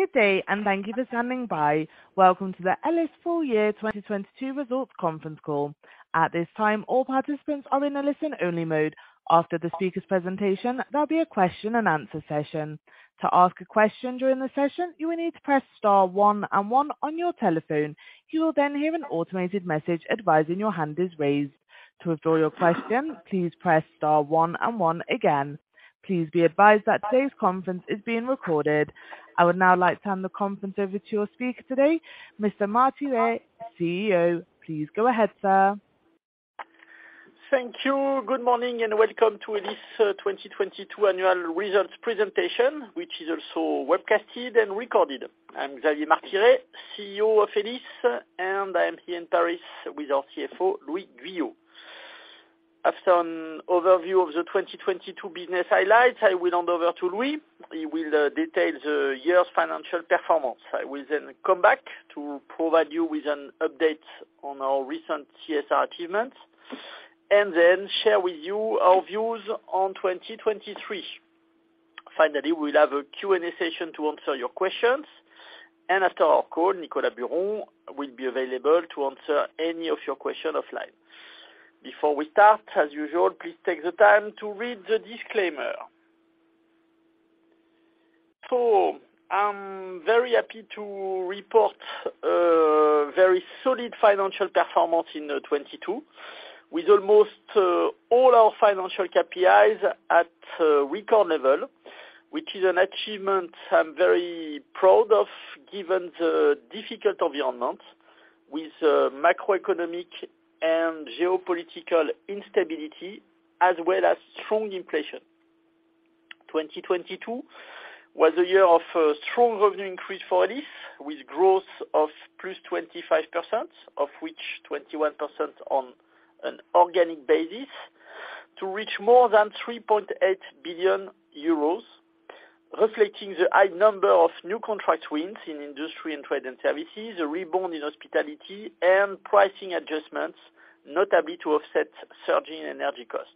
Good day, thank you for standing by. Welcome to the Elis Full Year 2022 Results Conference Call. At this time, all participants are in a listen-only mode. After the speaker's presentation, there'll be a question-and-answer session. To ask a question during the session, you will need to press star one and one on your telephone. You will hear an automated message advising your hand is raised. To withdraw your question, please press star one and one again. Please be advised that today's conference is being recorded. I would now like to hand the conference over to your speaker today, Mr. Martiré, CEO. Please go ahead, sir. Thank you. Good morning, and welcome to Elis, 2022 Annual Results Presentation, which is also webcasted and recorded. I'm Xavier Martiré, CEO of Elis, and I am here in Paris with our CFO, Louis Guyot. After an overview of the 2022 business highlights, I will hand over to Louis. He will detail the year's financial performance. I will then come back to provide you with an update on our recent CSR achievements, and then share with you our views on 2023. Finally, we'll have a Q&A session to answer your questions. After our call, Nicolas Buron will be available to answer any of your questions offline. Before we start, as usual, please take the time to read the disclaimer. I'm very happy to report very solid financial performance in 2022, with almost all our financial KPIs at record level, which is an achievement I'm very proud of, given the difficult environment with macroeconomic and geopolitical instability, as well as strong inflation. 2022 was a year of strong revenue increase for Elis, with growth of +25%, of which 21% on an organic basis, to reach more than 3.8 billion euros, reflecting the high number of new contract wins in industry and trade and services, a rebound in hospitality and pricing adjustments, notably to offset surging energy costs.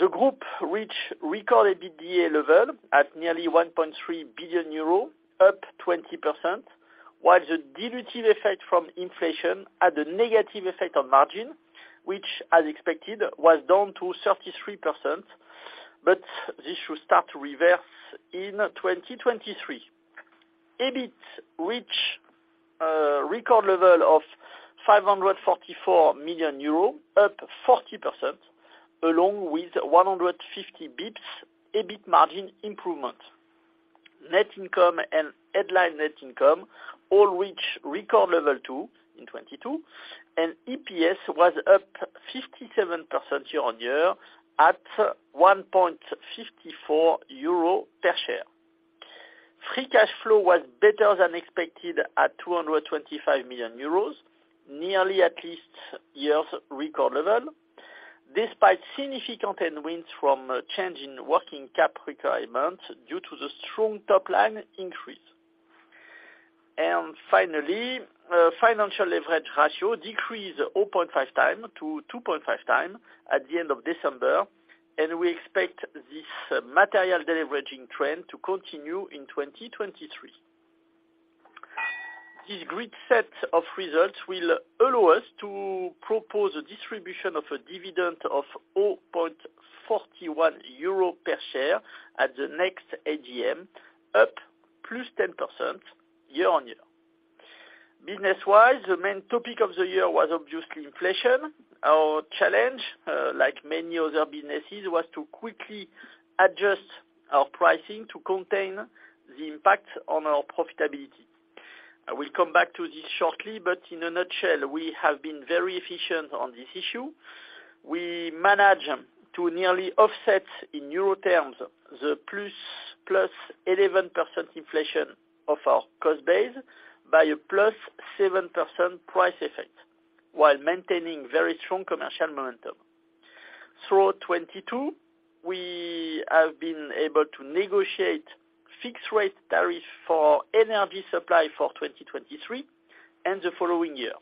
The group reached record EBITDA level at nearly 1.3 billion euros, up 20%, while the dilutive effect from inflation had a negative effect on margin, which, as expected, was down to 33%, but this should start to reverse in 2023. EBIT reach record level of 544 million euros, up 40%, along with 150 basis points EBIT margin improvement. Net income and headline net income all reach record level too in 2022, and EPS was up 57% year-on-year at 1.54 euro per share. Free cash flow was better than expected at 225 million euros, nearly at last year's record level, despite significant headwinds from a change in working capital requirements due to the strong top-line increase. Finally, financial leverage ratio decreased 0.5x to 2.5x at the end of December. We expect this material deleveraging trend to continue in 2023. This great set of results will allow us to propose a distribution of a dividend of 0.41 euros per share at the next AGM, up +10% year-on-year. Business-wise, the main topic of the year was obviously inflation. Our challenge, like many other businesses, was to quickly adjust our pricing to contain the impact on our profitability. I will come back to this shortly. In a nutshell, we have been very efficient on this issue. We managed to nearly offset in euro terms the +11% inflation of our cost base by a +7% price effect, while maintaining very strong commercial momentum. Through 2022, we have been able to negotiate fixed-rate tariffs for energy supply for 2023 and the following year.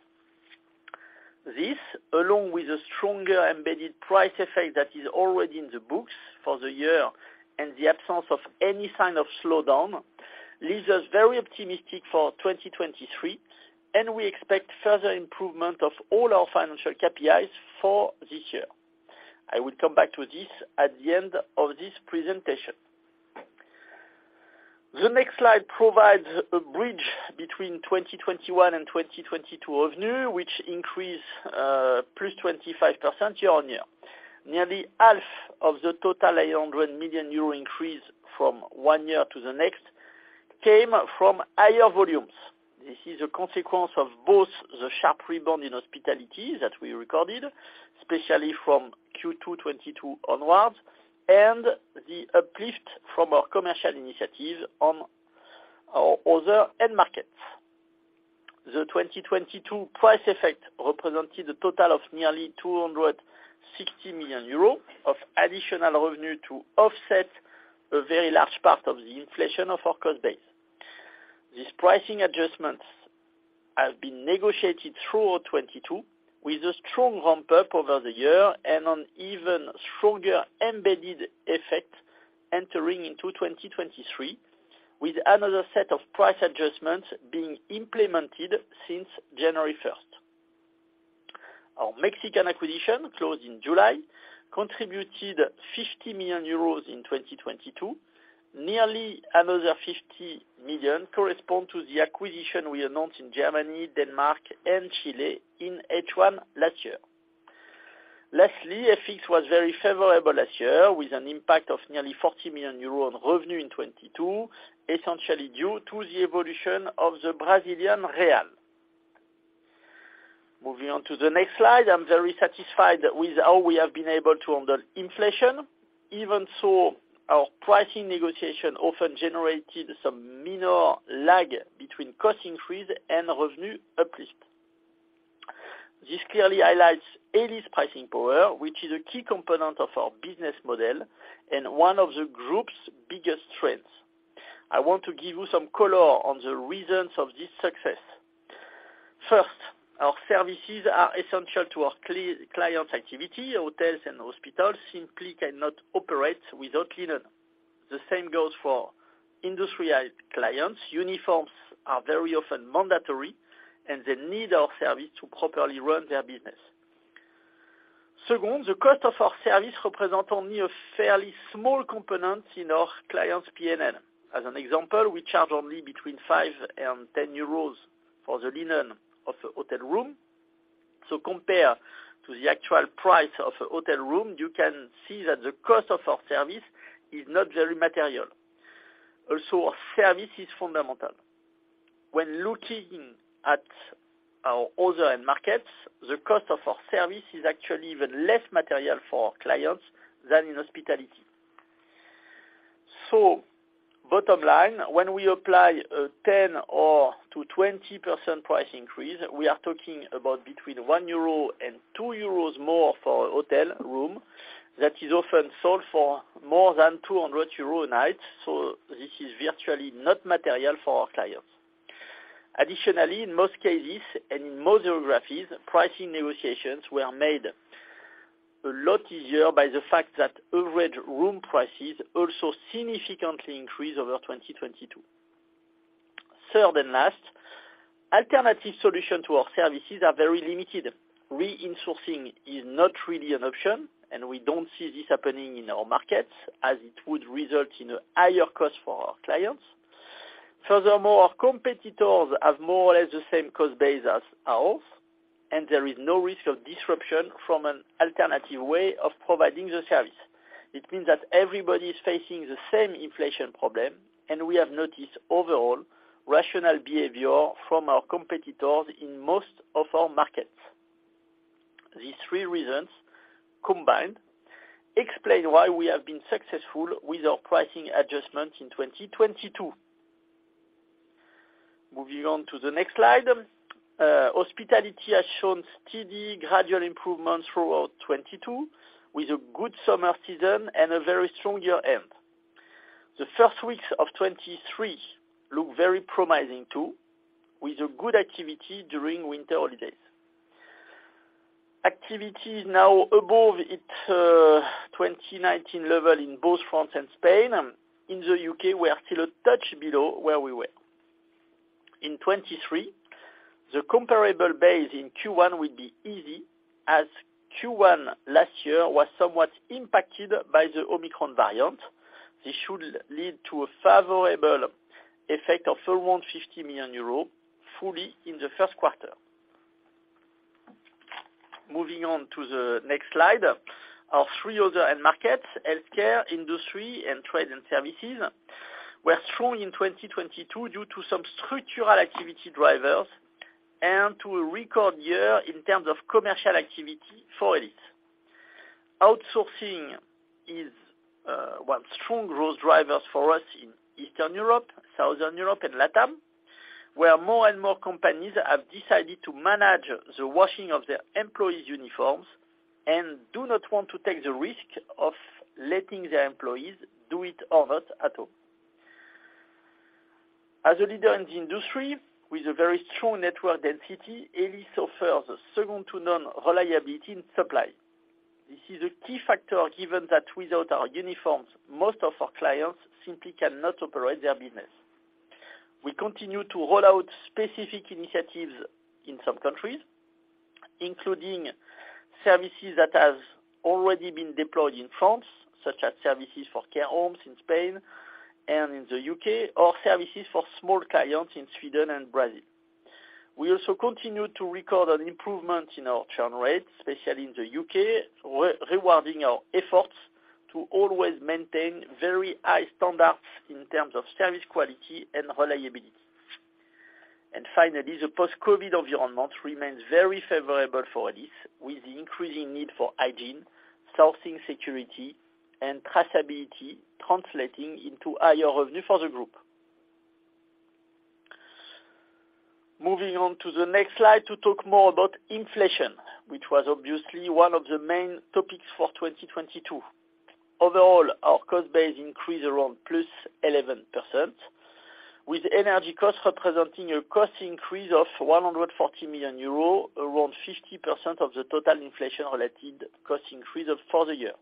This, along with a stronger embedded price effect that is already in the books for the year and the absence of any sign of slowdown, leaves us very optimistic for 2023, and we expect further improvement of all our financial KPIs for this year. I will come back to this at the end of this presentation. The next slide provides a bridge between 2021 and 2022 revenue, which increased +25% year-on-year. Nearly half of the total 800 million euro increase from one year to the next came from higher volumes. This is a consequence of both the sharp rebound in hospitality that we recorded, especially from Q2 2022 onwards, and the uplift from our commercial initiatives on our other end markets. The 2022 price effect represented a total of nearly 260 million euros of additional revenue to offset a very large part of the inflation of our cost base. This pricing adjustments have been negotiated throughout 2022, with a strong ramp-up over the year and an even stronger embedded effect entering into 2023, with another set of price adjustments being implemented since January 1st. Our Mexican acquisition, closed in July, contributed 50 million euros in 2022. Nearly another 50 million correspond to the acquisition we announced in Germany, Denmark, and Chile in H1 last year. Lastly, FX was very favorable last year, with an impact of nearly 40 million euros in revenue in 2022, essentially due to the evolution of the Brazilian real. Moving on to the next slide, I'm very satisfied with how we have been able to handle inflation. Our pricing negotiation often generated some minor lag between cost increase and revenue uplift. This clearly highlights Elis' pricing power, which is a key component of our business model and one of the group's biggest strengths. I want to give you some color on the reasons of this success. First, our services are essential to our client's activity. Hotels and hospitals simply cannot operate without linen. The same goes for industrialized clients. Uniforms are very often mandatory, and they need our service to properly run their business. Second, the cost of our service represent only a fairly small component in our clients' P&L. As an example, we charge only between 5 and 10 euros for the linen of a hotel room. Compare to the actual price of a hotel room, you can see that the cost of our service is not very material. Also, our service is fundamental. When looking at our other end markets, the cost of our service is actually even less material for our clients than in hospitality. Bottom line, when we apply a 10%-20% price increase, we are talking about between 1 euro and 2 euros more for a hotel room that is often sold for more than 200 euros a night, so this is virtually not material for our clients. Additionally, in most cases, and in most geographies, pricing negotiations were made a lot easier by the fact that average room prices also significantly increased over 2022. Third and last, alternative solution to our services are very limited. Reinsourcing is not really an option, and we don't see this happening in our markets as it would result in a higher cost for our clients. Furthermore, our competitors have more or less the same cost base as ours, and there is no risk of disruption from an alternative way of providing the service. It means that everybody is facing the same inflation problem, and we have noticed overall rational behavior from our competitors in most of our markets. These three reasons combined explain why we have been successful with our pricing adjustments in 2022. Moving on to the next slide. Hospitality has shown steady gradual improvements throughout 2022, with a good summer season and a very strong year-end. The first weeks of 2023 look very promising, too, with a good activity during winter holidays. Activity is now above its 2019 level in both France and Spain. In the U.K., we are still a touch below where we were. In 2023, the comparable base in Q1 will be easy, as Q1 last year was somewhat impacted by the Omicron variant. This should lead to a favorable effect of around 50 million euros, fully in the first quarter. Moving on to the next slide. Our three other end markets, healthcare, industry, and trade and services, were strong in 2022 due to some structural activity drivers and to a record year in terms of commercial activity for Elis. Outsourcing is one strong growth drivers for us in Eastern Europe, Southern Europe, and LatAm, where more and more companies have decided to manage the washing of their employees' uniforms and do not want to take the risk of letting their employees do it over at home. As a leader in the industry with a very strong network density, Elis offers second-to-none reliability in supply. This is a key factor, given that without our uniforms, most of our clients simply cannot operate their business. We continue to roll out specific initiatives in some countries, including services that have already been deployed in France, such as services for care homes in Spain and in the U.K. or services for small clients in Sweden and Brazil. We also continue to record an improvement in our churn rates, especially in the U.K., re-rewarding our efforts to always maintain very high standards in terms of service quality and reliability. Finally, the post-COVID environment remains very favorable for Elis, with the increasing need for hygiene, sourcing security, and traceability translating into higher revenue for the group. Moving on to the next slide to talk more about inflation, which was obviously one of the main topics for 2022. Overall, our cost base increased around +11%, with energy costs representing a cost increase of 140 million euros, around 50% of the total inflation-related cost increase for the year.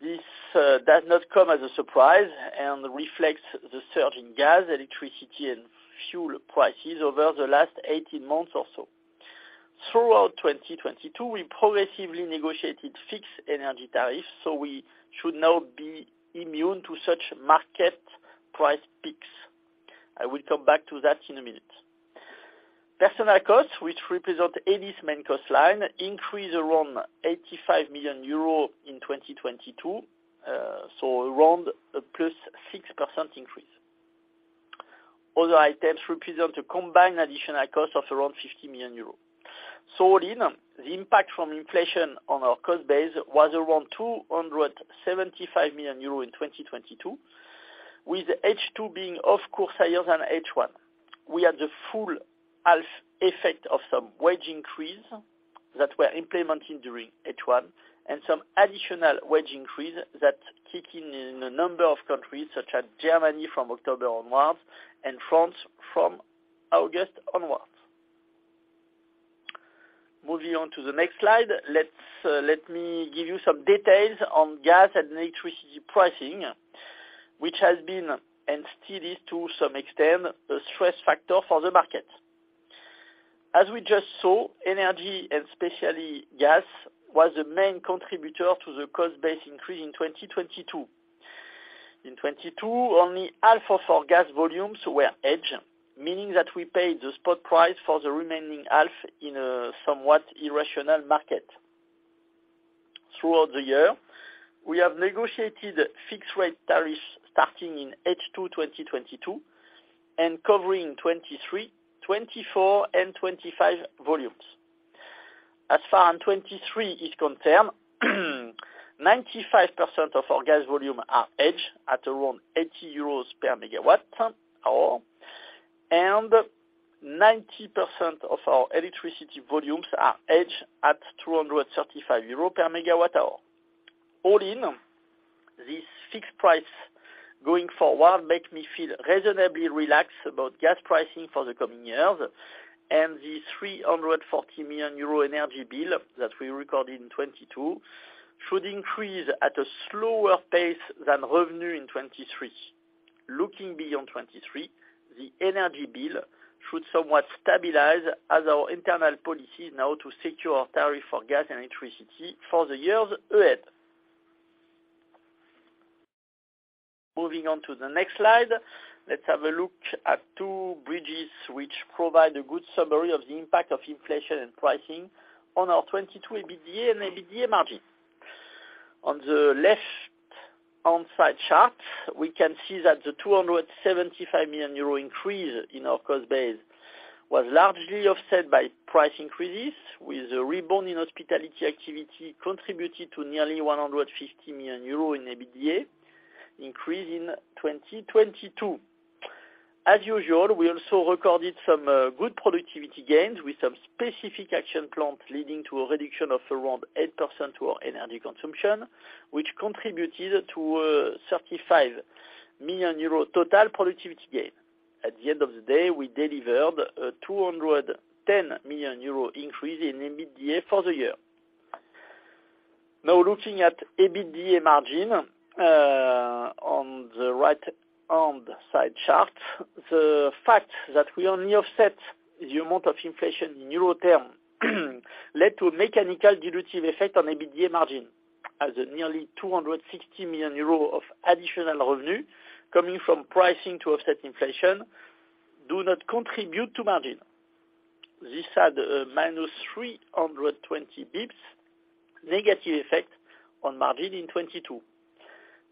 This does not come as a surprise and reflects the surge in gas, electricity, and fuel prices over the last 18 months or so. Throughout 2022, we progressively negotiated fixed energy tariffs, so we should now be immune to such market price peaks. I will come back to that in a minute. Personnel costs, which represent 80% cost line, increased around 85 million euros in 2022, so around a +6% increase. Other items represent a combined additional cost of around 50 million euros. All in, the impact from inflation on our cost base was around 275 million euros in 2022, with H2 being, of course, higher than H1. We had the full half effect of some wage increase that were implemented during H1 and some additional wage increase that kicked in a number of countries such as Germany from October onwards and France from August onwards. Let me give you some details on gas and electricity pricing, which has been, and still is to some extent, a stress factor for the market. As we just saw, energy and especially gas was the main contributor to the cost base increase in 2022. In 2022, only half of our gas volumes were hedged, meaning that we paid the spot price for the remaining half in a somewhat irrational market. Throughout the year, we have negotiated fixed-rate tariffs starting in H2 2022 and covering 2023, 2024, and 2025 volumes. As far as 2023 is concerned, 95% of our gas volume are hedged at around 80 euros per megawatt hour, and 90% of our electricity volumes are hedged at 235 euros per megawatt hour. All in, this fixed price going forward make me feel reasonably relaxed about gas pricing for the coming years, and the 340 million euro energy bill that we recorded in 2022 should increase at a slower pace than revenue in 2023. Looking beyond 2023, the energy bill should somewhat stabilize as our internal policy is now to secure our tariff for gas and electricity for the years ahead. Moving on to the next slide. Let's have a look at two bridges which provide a good summary of the impact of inflation and pricing on our 2022 EBITDA and EBITDA margin. On the left-hand side chart, we can see that the 275 million euro increase in our cost base was largely offset by price increases, with a rebound in hospitality activity contributing to nearly 150 million euro in EBITDA increase in 2022. As usual, we also recorded some good productivity gains with some specific action plans, leading to a reduction of around 8% to our energy consumption, which contributed to a 35 million euro total productivity gain. At the end of the day, we delivered a 210 million euro increase in EBITDA for the year. Looking at EBITDA margin on the right-hand side chart. The fact that we only offset the amount of inflation in EUR term led to a mechanical dilutive effect on EBITDA margin as a nearly 260 million euro of additional revenue coming from pricing to offset inflation do not contribute to margin. This had a -320 basis points negative effect on margin in 2022.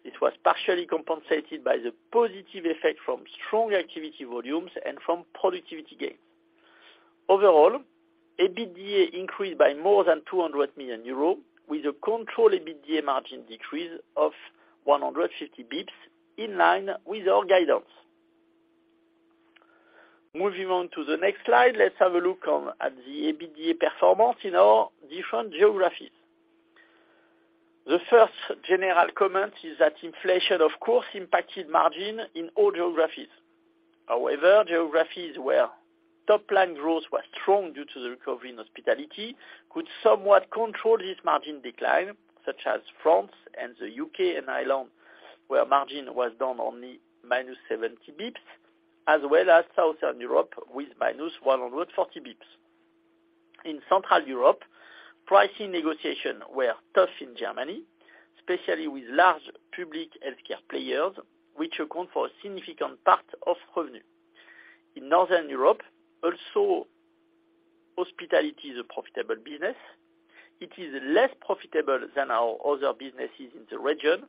This was partially compensated by the positive effect from strong activity volumes and from productivity gain. Overall, EBITDA increased by more than 200 million euros, with a controlled EBITDA margin decrease of 150 basis points in line with our guidance. Moving on to the next slide, let's have a look at the EBITDA performance in our different geographies. The first general comment is that inflation, of course, impacted margin in all geographies. Geographies where top-line growth was strong due to the recovery in hospitality could somewhat control this margin decline, such as France and the U.K. and Ireland, where margin was down only -70 basis points, as well as Southern Europe with -140 basis points. In Central Europe, pricing negotiation were tough in Germany, especially with large public healthcare players, which account for a significant part of revenue. In Northern Europe, also hospitality is a profitable business. It is less profitable than our other businesses in the region,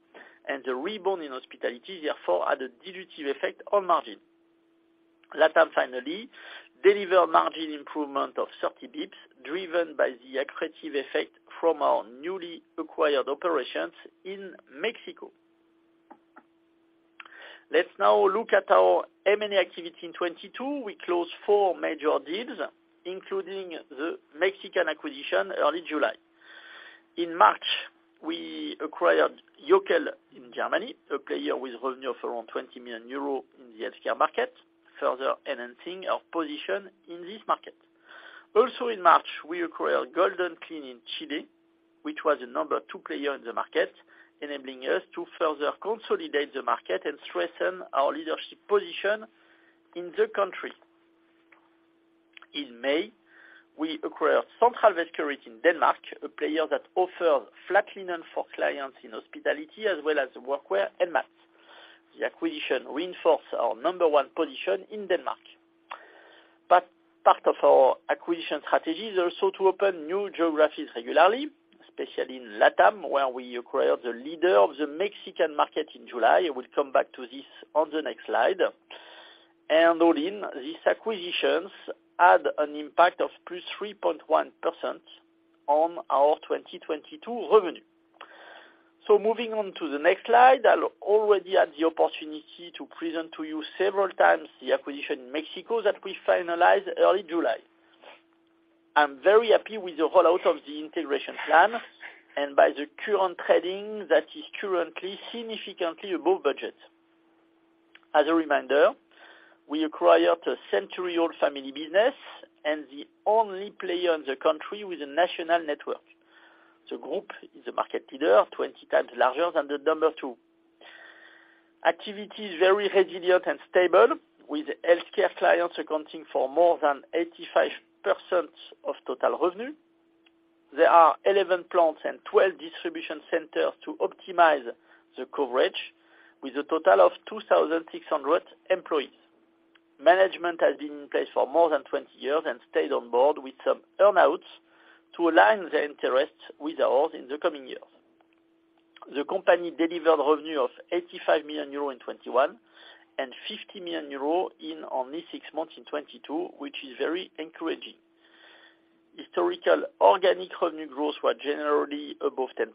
and the rebound in hospitality, therefore, had a dilutive effect on margin. LatAm finally deliver margin improvement of 30 basis points driven by the accretive effect from our newly acquired operations in Mexico. Let's now look at our M&A activity in 2022. We closed four major deals, including the Mexican acquisition early July. In March, we acquired Jöckel in Germany, a player with revenue of around 20 million euros in the healthcare market, further enhancing our position in this market. In March, we acquired Golden Clean in Chile, which was the number two player in the market, enabling us to further consolidate the market and strengthen our leadership position in the country. In May, we acquired Centralvaskeriet in Denmark, a player that offers flat linen for clients in hospitality as well as workwear and mats. The acquisition reinforced our number one position in Denmark. Part of our acquisition strategy is also to open new geographies regularly, especially in LatAm, where we acquired the leader of the Mexican market in July. We'll come back to this on the next slide. All in, these acquisitions had an impact of +3.1% on our 2022 revenue. Moving on to the next slide, I'll already had the opportunity to present to you several times the acquisition in Mexico that we finalized early July. I'm very happy with the rollout of the integration plan and by the current trading that is currently significantly above budget. As a reminder, we acquired a century-old family business and the only player in the country with a national network. The group is a market leader, 20 times larger than the number two. Activity is very resilient and stable, with healthcare clients accounting for more than 85% of total revenue. There are 11 plants and 12 distribution centers to optimize the coverage, with a total of 2,600 employees. Management has been in place for more than 20 years and stayed on board with some earn-outs to align their interests with ours in the coming years. The company delivered revenue of 85 million euro in 2021 and 50 million euro in only six months in 2022, which is very encouraging. Historical organic revenue growth were generally above 10%,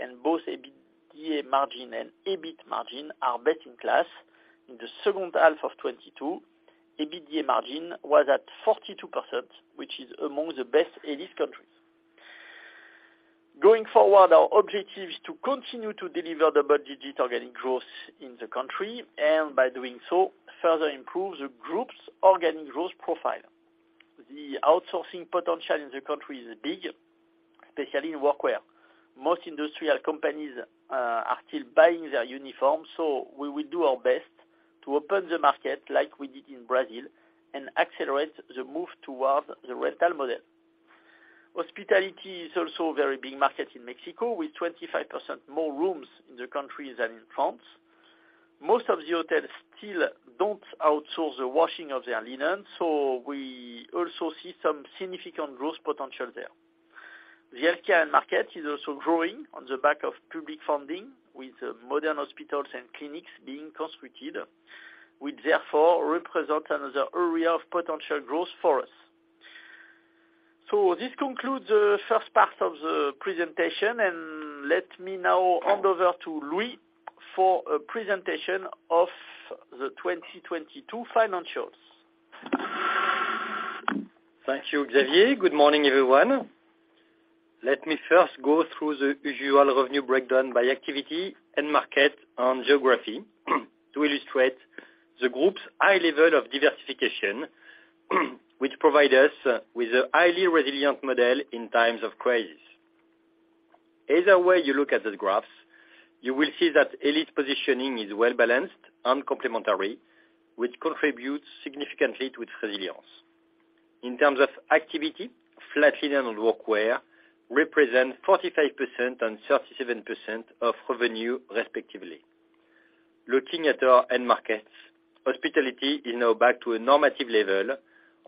and both EBITDA margin and EBIT margin are best in class. In the second half of 2022, EBITDA margin was at 42%, which is among the best Elis countries. Going forward, our objective is to continue to deliver double-digit organic growth in the country and, by doing so, further improve the group's organic growth profile. The outsourcing potential in the country is big, especially in workwear. Most industrial companies are still buying their uniforms, so we will do our best to open the market like we did in Brazil and accelerate the move toward the rental model. Hospitality is also a very big market in Mexico, with 25% more rooms in the country than in France. Most of the hotels still don't outsource the washing of their linen, so we also see some significant growth potential there. The healthcare market is also growing on the back of public funding, with modern hospitals and clinics being constructed, which therefore represent another area of potential growth for us. This concludes the first part of the presentation, and let me now hand over to Louis for a presentation of the 2022 financials. Thank you, Xavier. Good morning, everyone. Let me first go through the usual revenue breakdown by activity, end market, and geography to illustrate the group's high level of diversification, which provide us with a highly resilient model in times of crisis. Either way you look at the graphs, you will see that Elis's positioning is well-balanced and complementary, which contributes significantly to its resilience. In terms of activity, flat linen and workwear represent 45% and 37% of revenue respectively. Looking at our end markets, hospitality is now back to a normative level,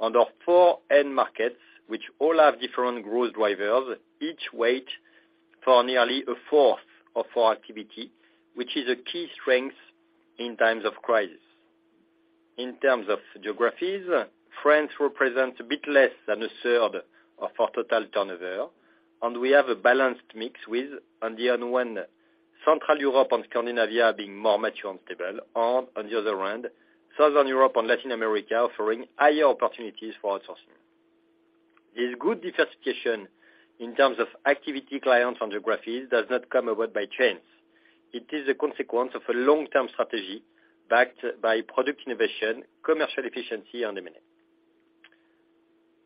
and our four end markets, which all have different growth drivers, each weight for nearly 1/4 of our activity, which is a key strength in times of crisis. In terms of geographies, France represents a bit less than a third of our total turnover, and we have a balanced mix with, on the one, Central Europe and Scandinavia being more mature and stable, and on the other hand, Southern Europe and Latin America offering higher opportunities for outsourcing. This good diversification in terms of activity, clients, and geographies does not come about by chance. It is a consequence of a long-term strategy backed by product innovation, commercial efficiency, and M&A.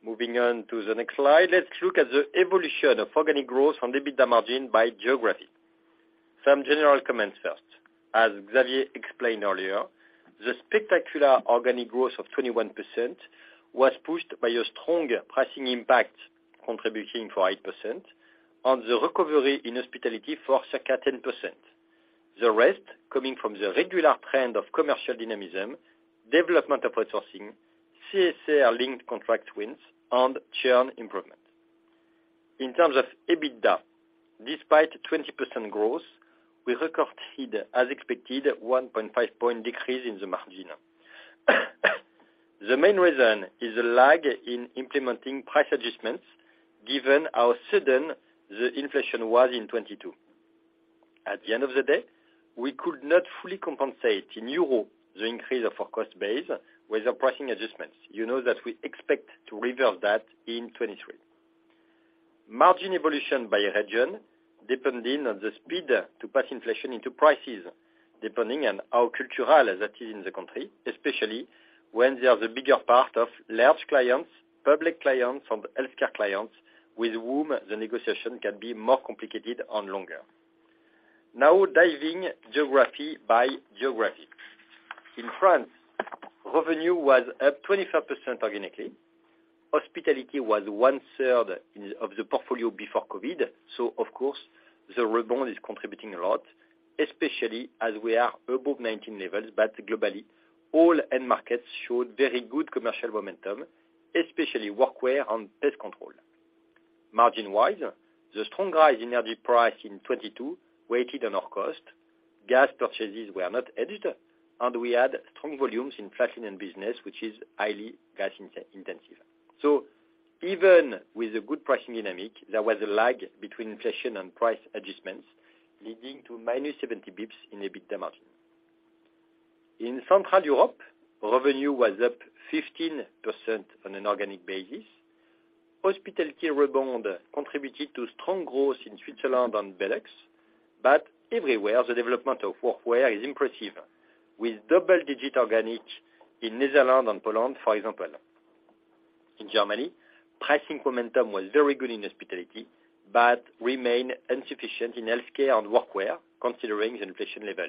Moving on to the next slide, let's look at the evolution of organic growth and EBITDA margin by geography. Some general comments first. As Xavier explained earlier, the spectacular organic growth of 21% was pushed by a strong pricing impact contributing for 8% and the recovery in hospitality for circa 10%. The rest coming from the regular trend of commercial dynamism, development of outsourcing, CSR-linked contract wins, and churn improvement. In terms of EBITDA, despite 20% growth, we recorded, as expected, 1.5 point decrease in the margin. The main reason is a lag in implementing price adjustments given how sudden the inflation was in 2022. At the end of the day, we could not fully compensate in EUR the increase of our cost base with our pricing adjustments. You know that we expect to reverse that in 2023. Margin evolution by region, depending on the speed to pass inflation into prices, depending on how cultural that is in the country, especially when they are the bigger part of large clients, public clients, or the healthcare clients with whom the negotiation can be more complicated and longer. Diving geography by geography. In France, revenue was up 25% organically. Hospitality was one-third of the portfolio before COVID. Of course, the rebound is contributing a lot, especially as we are above 19 levels. Globally, all end markets showed very good commercial momentum, especially workwear and pest control. Margin-wise, the strong rise in energy price in 2022 weighed on our cost. Gas purchases were not hedged. We had strong volumes in flattening business, which is highly gas intensive. Even with a good pricing dynamic, there was a lag between inflation and price adjustments, leading to -70 bps in EBITDA margin. In Central Europe, revenue was up 15% on an organic basis. Hospitality rebound contributed to strong growth in Switzerland and Benelux. Everywhere, the development of workwear is impressive, with double-digit organic in Netherlands and Poland, for example. In Germany, pricing momentum was very good in hospitality, but remained insufficient in healthcare and workwear, considering the inflation level.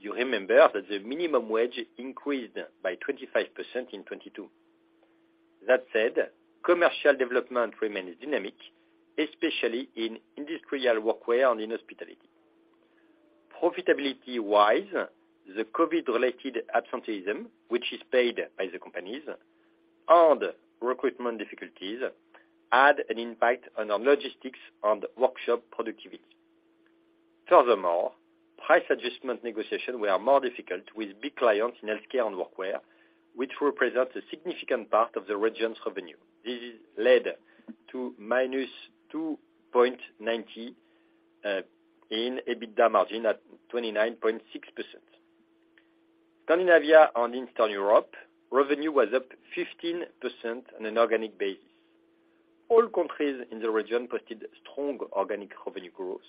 You remember that the minimum wage increased by 25% in 2022. That said, commercial development remains dynamic, especially in industrial workwear and in hospitality. Profitability-wise, the COVID-related absenteeism, which is paid by the companies, and recruitment difficulties had an impact on our logistics and workshop productivity. Furthermore, price adjustment negotiation were more difficult with big clients in healthcare and workwear, which represent a significant part of the region's revenue. This has led to -2.90 in EBITDA margin at 29.6%. Scandinavia and Eastern Europe, revenue was up 15% on an organic basis. All countries in the region posted strong organic revenue growth.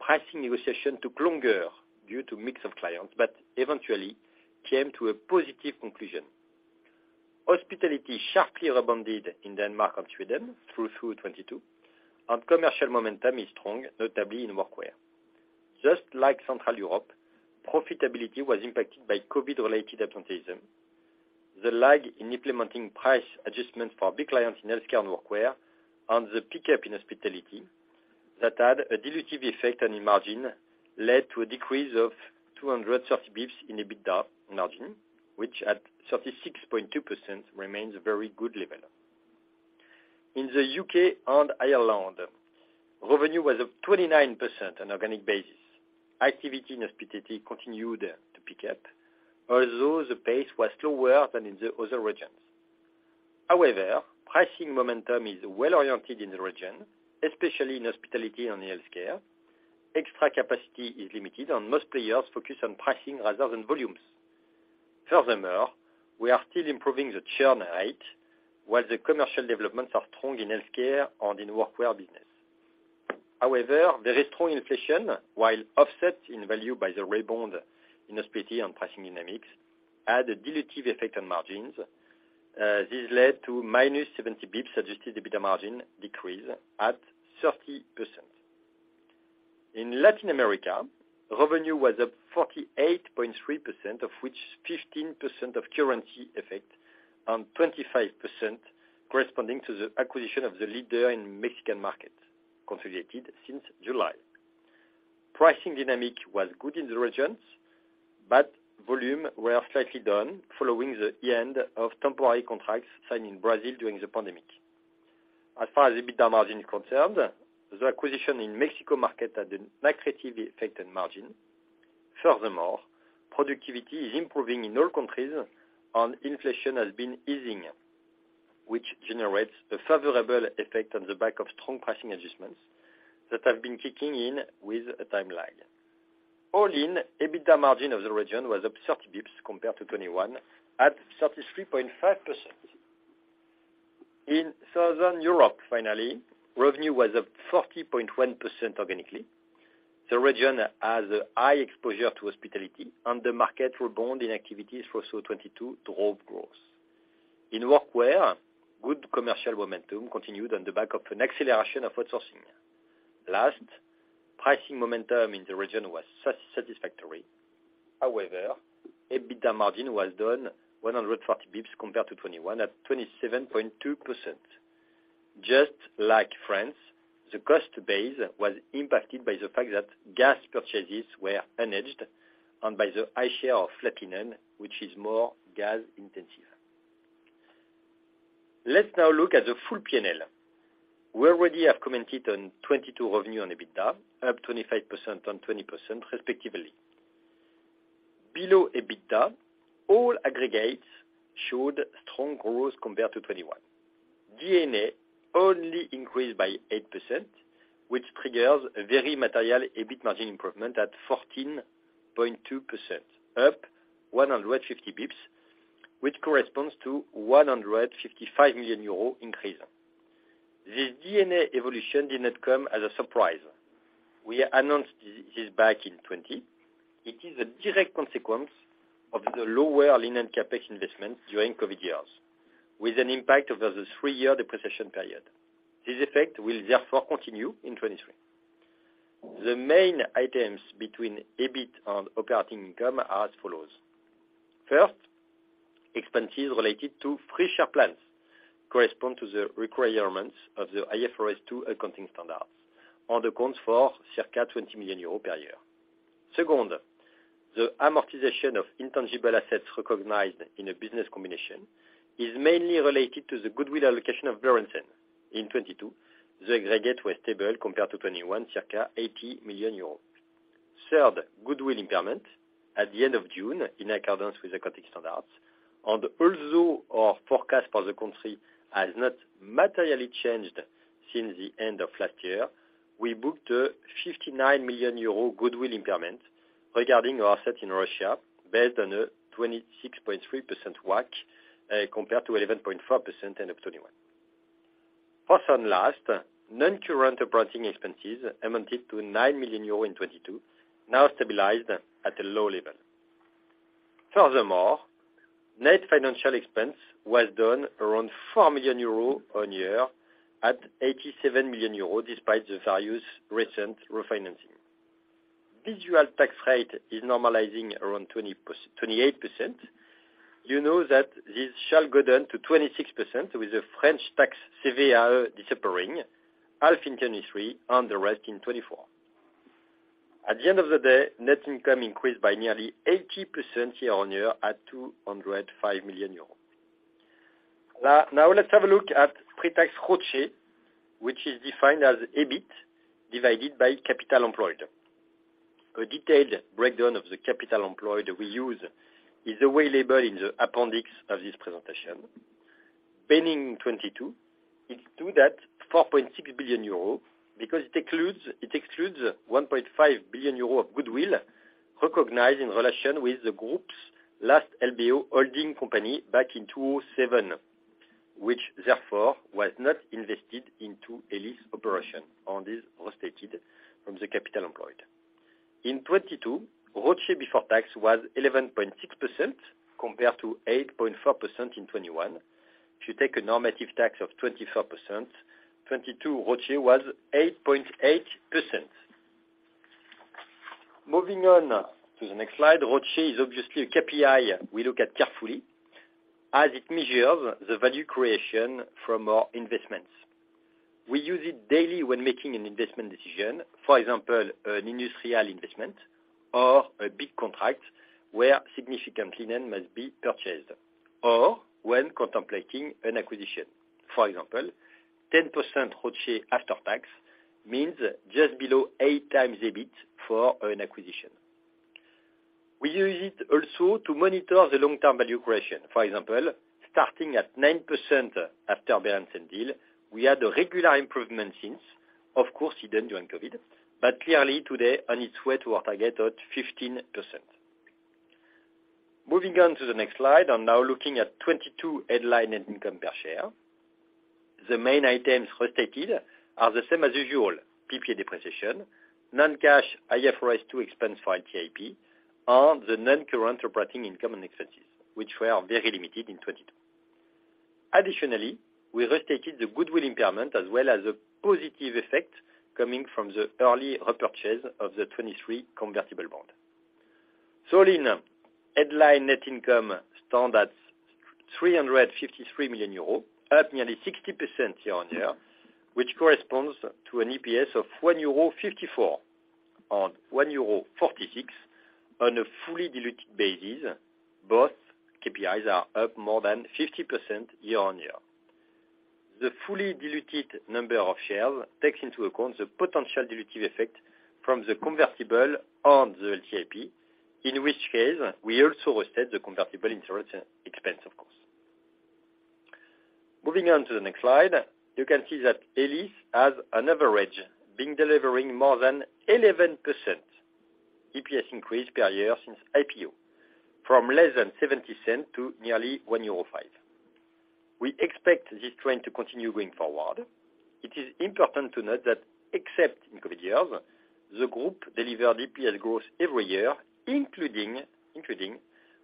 Pricing negotiation took longer due to mix of clients, but eventually came to a positive conclusion. Hospitality sharply rebounded in Denmark and Sweden through 2022, commercial momentum is strong, notably in workwear. Just like Central Europe, profitability was impacted by COVID-related absenteeism. The lag in implementing price adjustments for big clients in healthcare and workwear and the pickup in hospitality that had a dilutive effect on the margin led to a decrease of 230 bps in EBITDA margin, which at 36.2% remains a very good level. In the U.K. and Ireland, revenue was up 29% on organic basis. Activity in hospitality continued to pick up, although the pace was slower than in the other regions. However, pricing momentum is well-oriented in the region, especially in hospitality and in healthcare. Extra capacity is limited, most players focus on pricing rather than volumes. We are still improving the churn rate, while the commercial developments are strong in healthcare and in workwear business. Very strong inflation, while offset in value by the rebound in hospitality and pricing dynamics, had a dilutive effect on margins. This led to -70 basis points adjusted EBITDA margin decrease at 30%. In Latin America, revenue was up 48.3%, of which 15% of currency effect and 25% corresponding to the acquisition of the leader in Mexican market, consolidated since July. Pricing dynamic was good in the regions, volume were slightly down following the end of temporary contracts signed in Brazil during the pandemic. As far as EBITDA margin is concerned, the acquisition in Mexico market had a negative effect on margin. Productivity is improving in all countries, and inflation has been easing, which generates a favorable effect on the back of strong pricing adjustments that have been kicking in with a time lag. All in, EBITDA margin of the region was up 30 basis points compared to 2021, at 33.5%. In Southern Europe, finally, revenue was up 40.1% organically. The region has a high exposure to hospitality, and the market rebound in activities for so 2022 drove growth. In workwear, good commercial momentum continued on the back of an acceleration of outsourcing. Pricing momentum in the region was satisfactory. EBITDA margin was down 140 basis points compared to 2021, at 27.2%. Just like France, the cost base was impacted by the fact that gas purchases were unhedged and by the high share of flattening, which is more gas intensive. Let's now look at the full P&L. We already have commented on 2022 revenue and EBITDA, up 25% and 20% respectively. Below EBITDA, all aggregates showed strong growth compared to 2021. D&A only increased by 8%, which triggers a very material EBIT margin improvement at 14.2%, up 150 basis points, which corresponds to 155 million euro increase. This EBITDA evolution did not come as a surprise. We announced this back in 2020. It is a direct consequence of the lower linen CapEx investment during COVID years, with an impact over the three-year depreciation period. This effect will therefore continue in 2023. The main items between EBIT and operating income are as follows. First, expenses related to free share plans correspond to the requirements of the IFRS2 accounting standards and accounts for circa EUR 20 million per year. Second, the amortization of intangible assets recognized in a business combination is mainly related to the goodwill allocation of Berendsen. In 2022, the aggregate was stable compared to 2021, circa 80 million euros. Third, goodwill impairment at the end of June in accordance with accounting standards. Also, our forecast for the country has not materially changed since the end of last year. We booked a 59 million euro goodwill impairment regarding our asset in Russia based on a 26.3% WACC compared to 11.4% end of 2021. Fourth and last, non-current operating expenses amounted to 9 million euros in 2022, now stabilized at a low level. Net financial expense was down around 4 million euro on year at 87 million euro, despite the various recent refinancing. Usual tax rate is normalizing around 28%. You know that this shall go down to 26% with the French tax CVAE disappearing, half in 2023 and the rest in 2024. At the end of the day, net income increased by nearly 80% year-on-year at 205 million euros. Now, let's have a look at pre-tax ROCE, which is defined as EBIT divided by capital employed. A detailed breakdown of the capital employed we use is available in the appendix of this presentation. Ending 2022, it stood at 4.6 billion euro because it excludes 1.5 billion euro of goodwill recognized in relation with the group's last LBO holding company back in 2007, which therefore was not invested into Elis operation and is restated from the capital employed. In 2022, ROCE before tax was 11.6% compared to 8.4% in 2021. If you take a normative tax of 24%, 2022 ROCE was 8.8%. Moving on to the next slide, ROCE is obviously a KPI we look at carefully as it measures the value creation from our investments. We use it daily when making an investment decision, for example, an industrial investment or a big contract where significant linen must be purchased, or when contemplating an acquisition. For example, 10% ROCE after tax means just below 8x EBIT for an acquisition. We use it also to monitor the long-term value creation. For example, starting at 9% after Berendsen deal, we had a regular improvement since, of course hidden during COVID, but clearly today on its way to our target at 15%. Moving on to the next slide, I'm now looking at 2022 headline net income per share. The main items restated are the same as usual, PPA depreciation, non-cash IFRS2 expense for LTIP, and the non-current operating income and expenses, which were very limited in 2022. Additionally, we restated the goodwill impairment as well as a positive effect coming from the early repurchase of the 2023 convertible bond. In headline net income stand at 353 million euros, up nearly 60% year-on-year, which corresponds to an EPS of 1.54 euro, or 1.46 euro on a fully diluted basis. Both KPIs are up more than 50% year-on-year. The fully diluted number of shares takes into account the potential dilutive effect from the convertible and the LTIP, in which case we also restate the convertible insurance expense, of course. Moving on to the next slide, you can see that Elis has on average been delivering more than 11% EPS increase per year since IPO, from less than 0.70 to nearly 1.05 euro. We expect this trend to continue going forward. It is important to note that except in COVID years, the group delivered EPS growth every year, including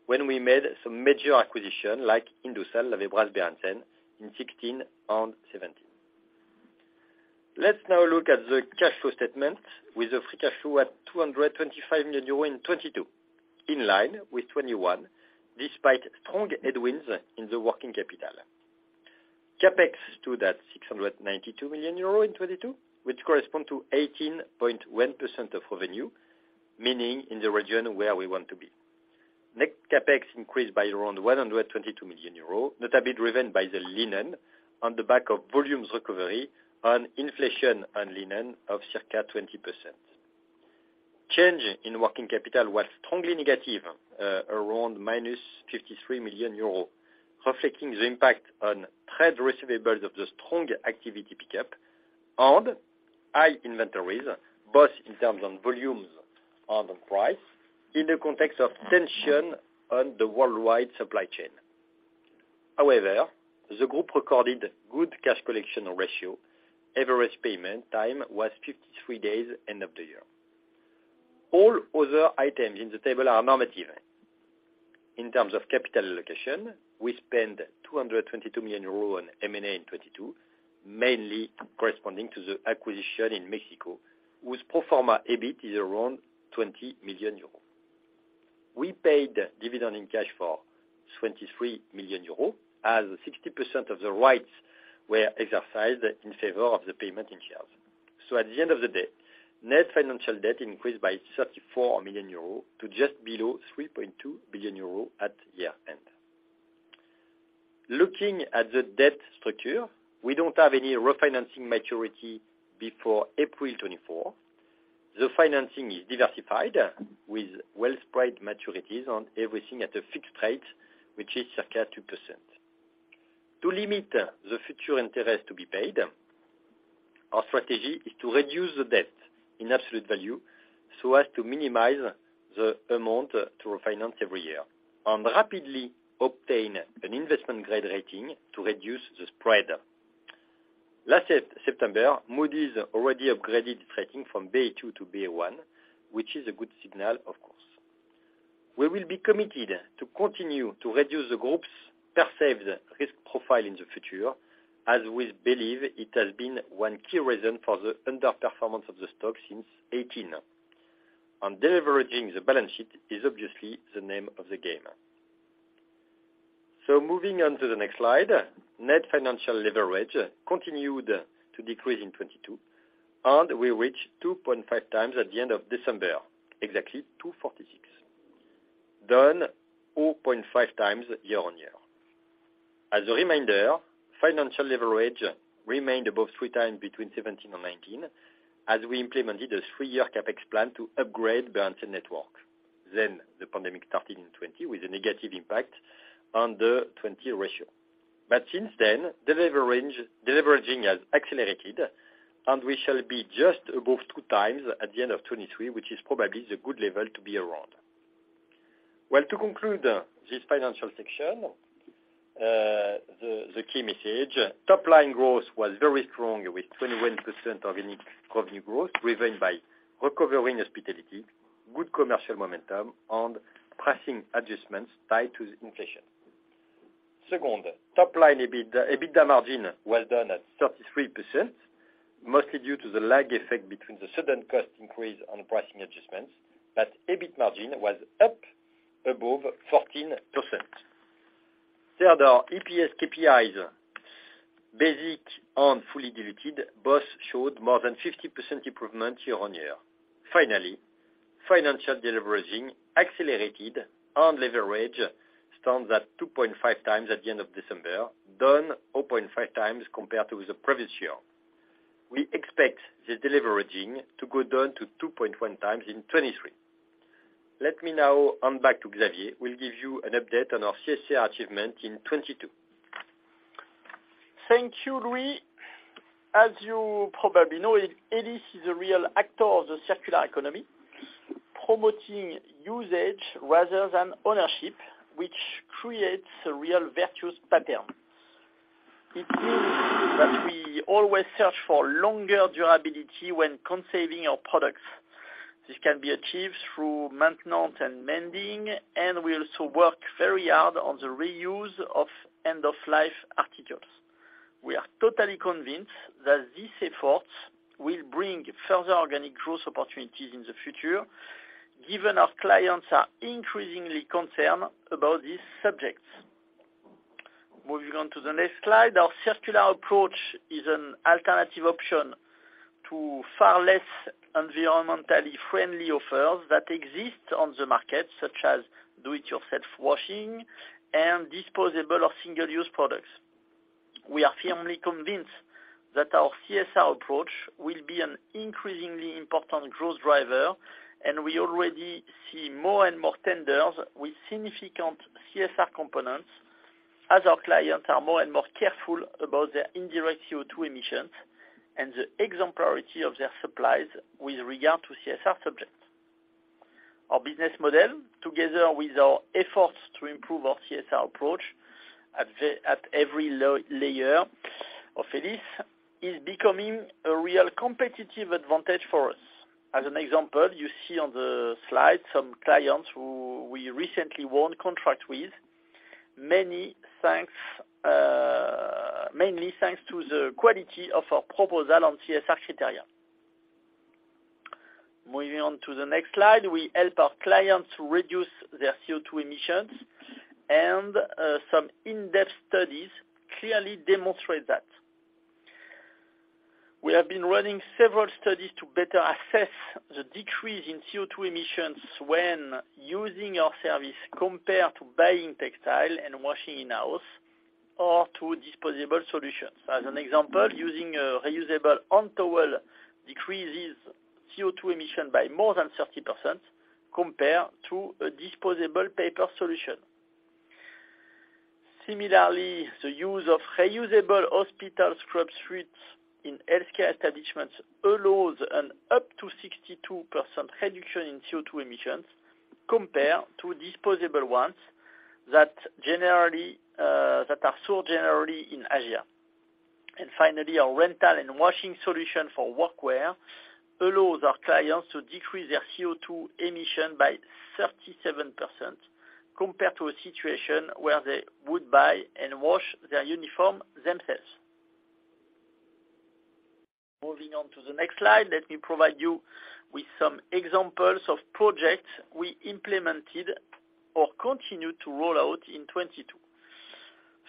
when we made some major acquisition like Indusal, Lavebras, Berendsen in 2016 and 2017. Let's now look at the cash flow statement with the free cash flow at 225 million euros in 2022, in line with 2021, despite strong headwinds in the working capital. CapEx stood at 692 million euros in 2022, which correspond to 18.1% of revenue, meaning in the region where we want to be. CapEx increased by around 122 million euros, notably driven by the linen on the back of volumes recovery on inflation on linen of circa 20%. Change in working capital was strongly negative, around -53 million euros, reflecting the impact on trade receivables of the strong activity pickup and high inventories, both in terms on volumes and on price, in the context of tension on the worldwide supply chain. However, the group recorded good cash collection ratio. Average payment time was 53 days end of the year. All other items in the table are normative. In terms of capital allocation, we spent 222 million euros on M&A in 2022, mainly corresponding to the acquisition in Mexico, whose pro forma EBIT is around 20 million euros. We paid dividend in cash for 23 million euros, as 60% of the rights were exercised in favor of the payment in shares. At the end of the day, net financial debt increased by 34 million euro to just below 3.2 billion euro at year-end. Looking at the debt structure, we don't have any refinancing maturity before April 2024. The financing is diversified with well spread maturities on everything at a fixed rate, which is circa 2%. To limit the future interest to be paid, our strategy is to reduce the debt in absolute value, so as to minimize the amount to refinance every year and rapidly obtain an investment grade rating to reduce the spread. Last September, Moody's already upgraded rating from Ba2 to Ba1, which is a good signal, of course. We will be committed to continue to reduce the group's perceived risk profile in the future, as we believe it has been one key reason for the underperformance of the stock since 2018. Deleveraging the balance sheet is obviously the name of the game. Moving on to the next slide, net financial leverage continued to decrease in 2022, and we reached 2.5x at the end of December, exactly 2.46, down 0.5x year-on-year. As a reminder, financial leverage remained above 3x between 2017 and 2019, as we implemented a three-year CapEx plan to upgrade the entire network. The pandemic started in 2020 with a negative impact on the 2020 ratio. Since then, deleveraging has accelerated, and we shall be just above 2x at the end of 2023, which is probably the good level to be around. To conclude this financial section, the key message, top line growth was very strong with 21% organic revenue growth, driven by recovering hospitality, good commercial momentum, and pricing adjustments tied to the inflation. Second, top line EBITDA margin was done at 33%, mostly due to the lag effect between the sudden cost increase on pricing adjustments, but EBIT margin was up above 14%. Third are EPS KPIs, basic and fully diluted, both showed more than 50% improvement year-on-year. Finally, financial deleveraging accelerated and leverage stands at 2.5x at the end of December, down 0.5x compared to the previous year. We expect the deleveraging to go down to 2.1x in 2023. Let me now hand back to Xavier, who will give you an update on our CSR achievement in 2022. Thank you, Louis. As you probably know, Elis is a real actor of the circular economy, promoting usage rather than ownership, which creates a real virtuous pattern. It means that we always search for longer durability when conserving our products. This can be achieved through maintenance and mending, and we also work very hard on the reuse of end-of-life articles. We are totally convinced that these efforts will bring further organic growth opportunities in the future, given our clients are increasingly concerned about these subjects. Moving on to the next slide. Our circular approach is an alternative option to far less environmentally friendly offers that exist on the market, such as do it yourself washing and disposable or single-use products. We are firmly convinced that our CSR approach will be an increasingly important growth driver, and we already see more and more tenders with significant CSR components, as our clients are more and more careful about their indirect CO2 emissions and the exemplarity of their supplies with regard to CSR subjects. Our business model, together with our efforts to improve our CSR approach at every layer of Elis, is becoming a real competitive advantage for us. As an example, you see on the slide some clients who we recently won contract with, many thanks, mainly thanks to the quality of our proposal on CSR criteria. Moving on to the next slide, we help our clients reduce their CO2 emissions and some in-depth studies clearly demonstrate that. We have been running several studies to better assess the decrease in CO2 emissions when using our service compared to buying textile and washing in-house or to disposable solutions. As an example, using a reusable hand towel decreases CO2 emission by more than 30% compared to a disposable paper solution. Similarly, the use of reusable hospital scrub suits in healthcare establishments allows an up to 62% reduction in CO2 emissions compared to disposable ones that generally that are sold generally in Asia. Finally, our rental and washing solution for workwear allows our clients to decrease their CO2 emission by 37% compared to a situation where they would buy and wash their uniform themselves. Moving on to the next slide, let me provide you with some examples of projects we implemented or continue to roll out in 2022.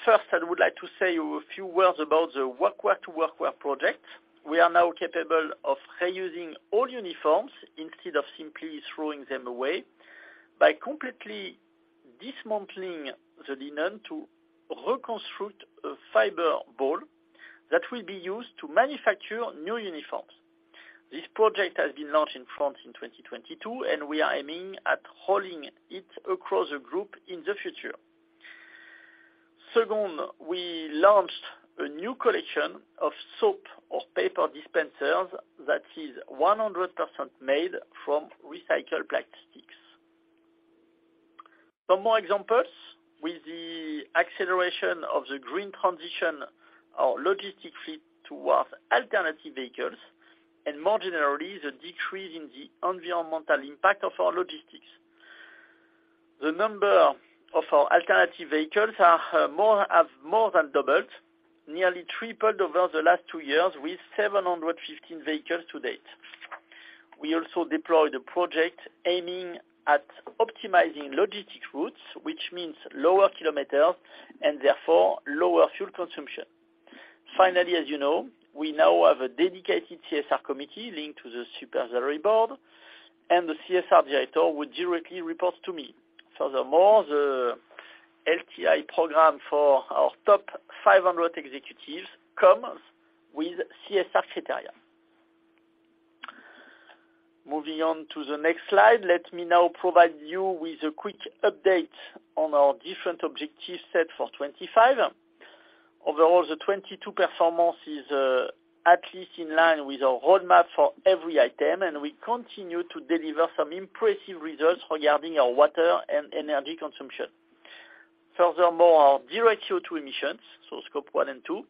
First, I would like to say a few words about the workwear to workwear project. We are now capable of reusing old uniforms instead of simply throwing them away by completely dismantling the linen to reconstruct a fiber ball that will be used to manufacture new uniforms. This project has been launched in France in 2022. We are aiming at rolling it across the group in the future. Second, we launched a new collection of soap or paper dispensers that is 100% made from recycled plastics. Some more examples, with the acceleration of the green transition, our logistics shift towards alternative vehicles and more generally, the decrease in the environmental impact of our logistics. The number of our alternative vehicles have more than doubled, nearly tripled over the last two years, with 715 vehicles to date. We also deployed a project aiming at optimizing logistics routes, which means lower kilometers and therefore lower fuel consumption. Finally, as you know, we now have a dedicated CSR committee linked to the Supervisory Board and the CSR director will directly report to me. Furthermore, the LTI program for our top 500 executives comes with CSR criteria. Moving on to the next slide, let me now provide you with a quick update on our different objective set for 2025. Overall, the 2022 performance is at least in line with our roadmap for every item, and we continue to deliver some impressive results regarding our water and energy consumption. Furthermore, our direct CO2 emissions, so Scope 1 and 2,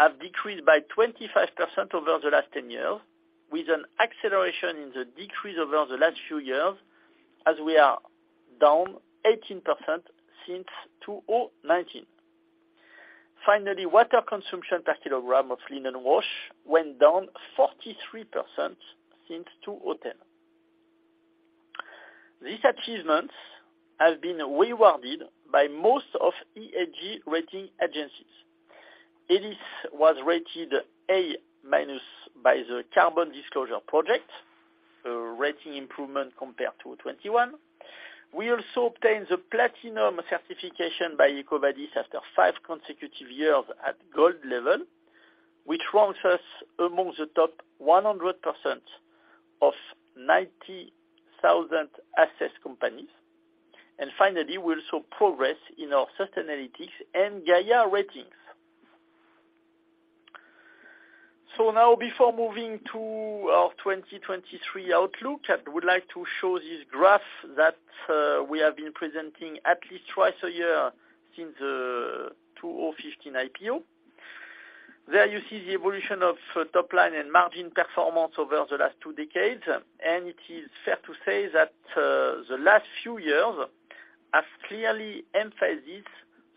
have decreased by 25% over the last 10 years with an acceleration in the decrease over the last few years as we are down 18% since 2019. Finally, water consumption per kilogram of linen wash went down 43% since 2010. These achievements have been rewarded by most of Elis rating agencies. Elis was rated A- by the Carbon Disclosure Project, a rating improvement compared to 2021. We also obtained the platinum certification by EcoVadis after five consecutive years at gold level, which ranks us among the top 100% of 90,000 assessed companies. Finally, we also progress in our Sustainalytics and Gaïa ratings. Now before moving to our 2023 outlook, I would like to show this graph that we have been presenting at least twice a year since the 2015 IPO. There you see the evolution of top line and margin performance over the last two decades. It is fair to say that the last few years have clearly emphasized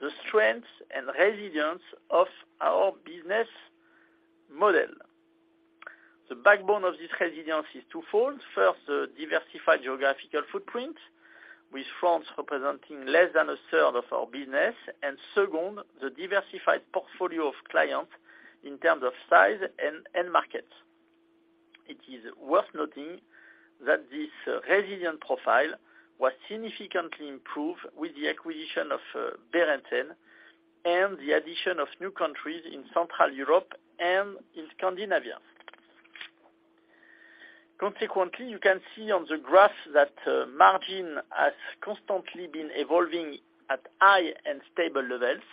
the strength and resilience of our business model. The backbone of this resilience is twofold. First, a diversified geographical footprint, with France representing less than a third of our business. Second, the diversified portfolio of clients in terms of size and end markets. It is worth noting that this resilient profile was significantly improved with the acquisition of Berendsen and the addition of new countries in Central Europe and in Scandinavia. Consequently, you can see on the graph that margin has constantly been evolving at high and stable levels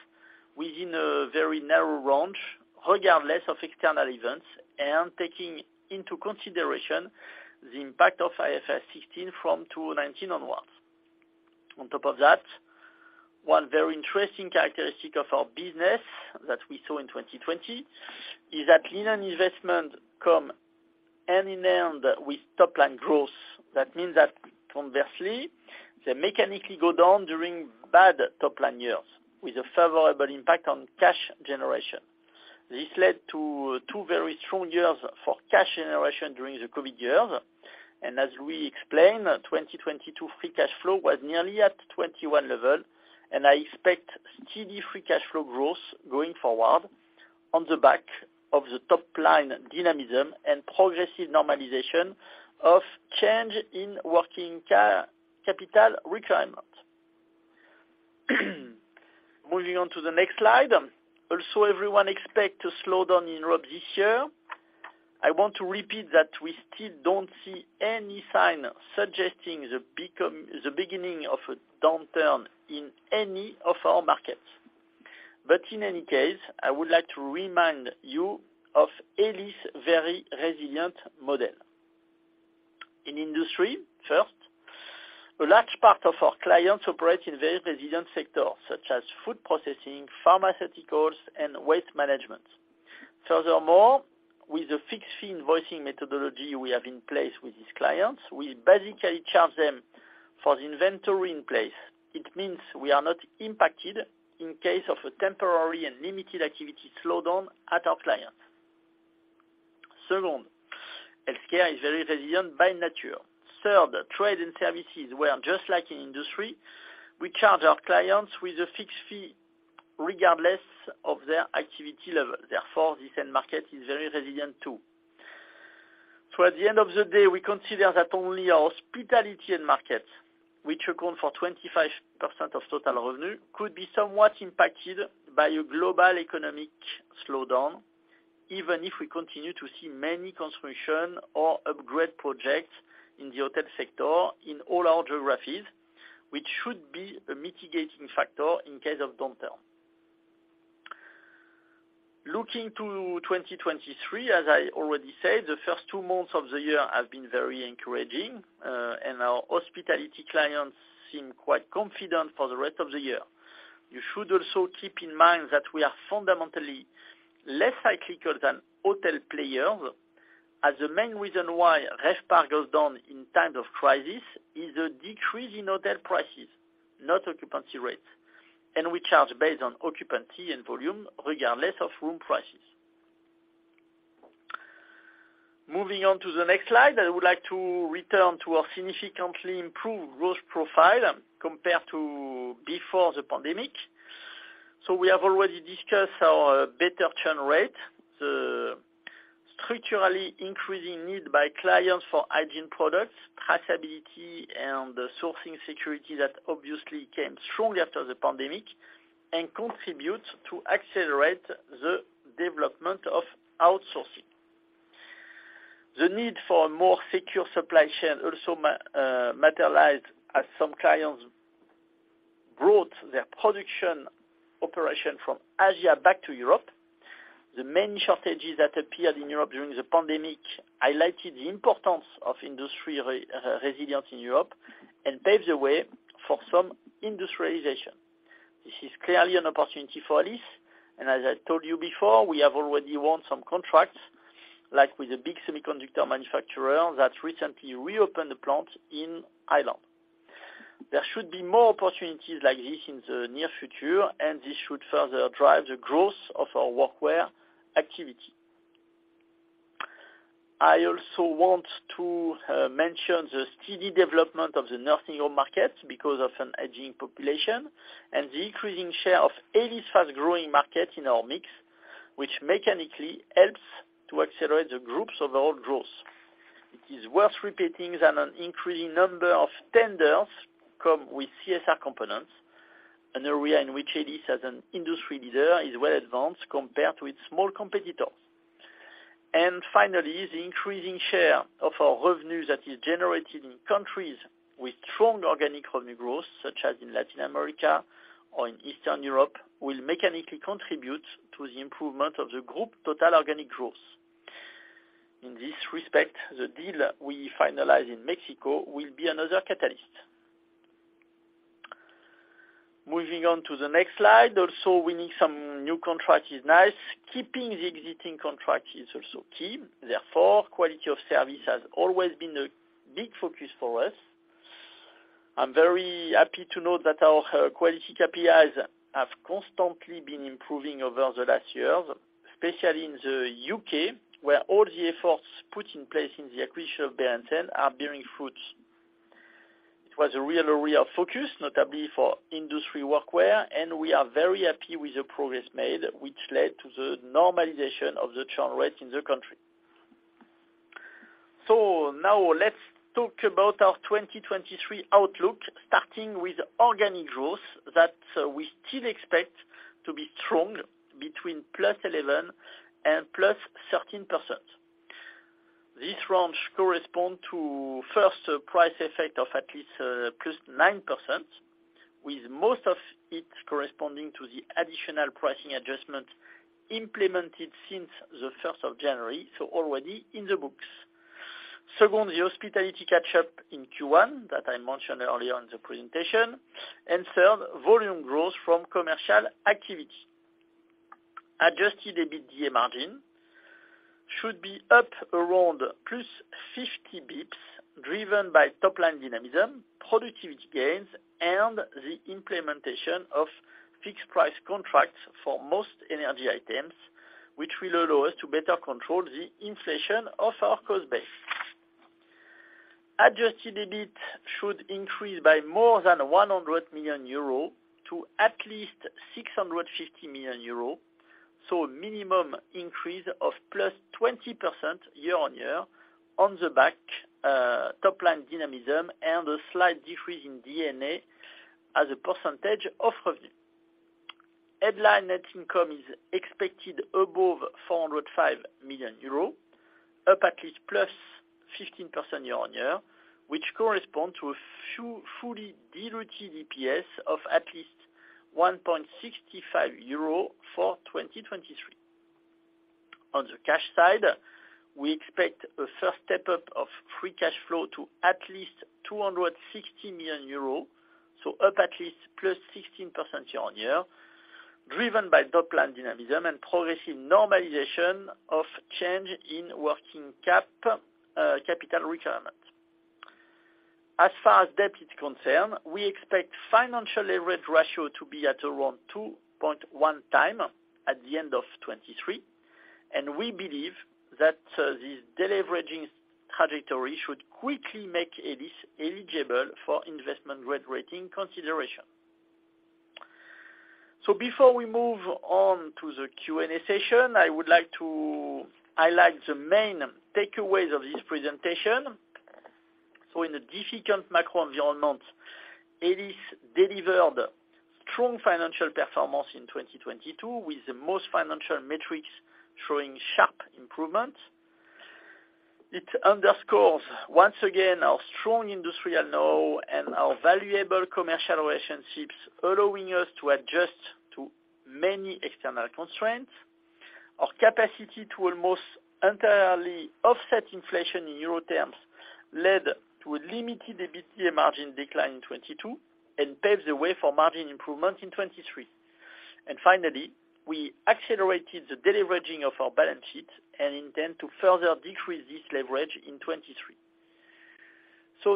within a very narrow range, regardless of external events, taking into consideration the impact of IFRS 16 from 2019 onwards. On top of that, one very interesting characteristic of our business that we saw in 2020 is that linen investment come hand in hand with top line growth. That means that conversely, they mechanically go down during bad top line years with a favorable impact on cash generation. This led to two very strong years for cash generation during the COVID years. As we explained, 2022 free cash flow was nearly at 2021 level, and I expect steady free cash flow growth going forward on the back of the top-line dynamism and progressive normalization of change in working capital requirements. Moving on to the next slide. Everyone expect to slow down in growth this year. I want to repeat that we still don't see any sign suggesting the beginning of a downturn in any of our markets. In any case, I would like to remind you of Elis very resilient model. In industry, first, a large part of our clients operate in very resilient sectors such as food processing, pharmaceuticals, and waste management. Furthermore, with the fixed fee invoicing methodology we have in place with these clients, we basically charge them for the inventory in place. It means we are not impacted in case of a temporary and limited activity slowdown at our clients. Second, healthcare is very resilient by nature. Third, trade and services, where just like in industry, we charge our clients with a fixed fee regardless of their activity level. Therefore, this end market is very resilient too. At the end of the day, we consider that only our hospitality end market, which account for 25% of total revenue, could be somewhat impacted by a global economic slowdown, even if we continue to see many construction or upgrade projects in the hotel sector in all our geographies, which should be a mitigating factor in case of downturn. Looking to 2023, as I already said, the first two months of the year have been very encouraging, and our hospitality clients seem quite confident for the rest of the year. You should also keep in mind that we are fundamentally less cyclical than hotel players, as the main reason why RevPAR goes down in times of crisis is a decrease in hotel prices, not occupancy rates. We charge based on occupancy and volume regardless of room prices. Moving on to the next slide, I would like to return to our significantly improved growth profile compared to before the pandemic. We have already discussed our better churn rate, the structurally increasing need by clients for hygiene products, traceability, and the sourcing security that obviously came strongly after the pandemic and contributes to accelerate the development of outsourcing. The need for a more secure supply chain also materialized as some clients brought their production operation from Asia back to Europe. The main shortages that appeared in Europe during the pandemic highlighted the importance of industry resilience in Europe and paved the way for some industrialization. This is clearly an opportunity for Elis. As I told you before, we have already won some contracts, like with a big semiconductor manufacturer that recently reopened a plant in Ireland. There should be more opportunities like this in the near future. This should further drive the growth of our workwear activity. I also want to mention the steady development of the nursing home market because of an aging population and the increasing share of Elis fast-growing market in our mix, which mechanically helps to accelerate the group's overall growth. It is worth repeating that an increasing number of tenders come with CSR components, an area in which Elis as an industry leader is well advanced compared to its small competitors. Finally, the increasing share of our revenue that is generated in countries with strong organic revenue growth, such as in Latin America or in Eastern Europe, will mechanically contribute to the improvement of the group total organic growth. In this respect, the deal we finalize in Mexico will be another catalyst. Moving on to the next slide. Winning some new contract is nice. Keeping the existing contract is also key. Quality of service has always been a big focus for us. I'm very happy to note that our quality KPIs have constantly been improving over the last years, especially in the U.K., where all the efforts put in place in the acquisition of Berendsen are bearing fruit. It was a real area of focus, notably for industry workwear, and we are very happy with the progress made, which led to the normalization of the churn rate in the country. Now let's talk about our 2023 outlook, starting with organic growth that we still expect to be strong between +11% and +13%. This range correspond to, first, a price effect of at least +9%, with most of it corresponding to the additional pricing adjustment implemented since January 1st, already in the books. Second, the hospitality catch-up in Q1 that I mentioned earlier in the presentation. Third, volume growth from commercial activity. Adjusted EBITDA margin should be up around +50 basis points, driven by top-line dynamism, productivity gains, and the implementation of fixed-price contracts for most energy items, which will allow us to better control the inflation of our cost base. Adjusted EBIT should increase by more than 100 million euro to at least 650 million euro. Minimum increase of +20% year-on-year on the back, top-line dynamism and a slight decrease in D&A as a percentage of revenue. Headline net income is expected above 405 million euros, up at least +15% year-on-year, which correspond to a fully diluted EPS of at least 1.65 euro for 2023. On the cash side, we expect a first step-up of free cash flow to at least 260 million euros, up at least +16% year-on-year, driven by top-line dynamism and progressive normalization of change in working capital requirement. As far as debt is concerned, we expect financial average ratio to be at around 2.1x at the end of 2023. We believe that this deleveraging trajectory should quickly make Elis eligible for investment-grade rating consideration. Before we move on to the Q&A session, I would like to highlight the main takeaways of this presentation. In a difficult macro environment, Elis delivered strong financial performance in 2022, with the most financial metrics showing sharp improvement. It underscores once again our strong industrial know and our valuable commercial relationships, allowing us to adjust to many external constraints. Our capacity to almost entirely offset inflation in euro terms led to a limited EBITDA margin decline in 22, and paved the way for margin improvement in 23. Finally, we accelerated the deleveraging of our balance sheet and intend to further decrease this leverage in 23.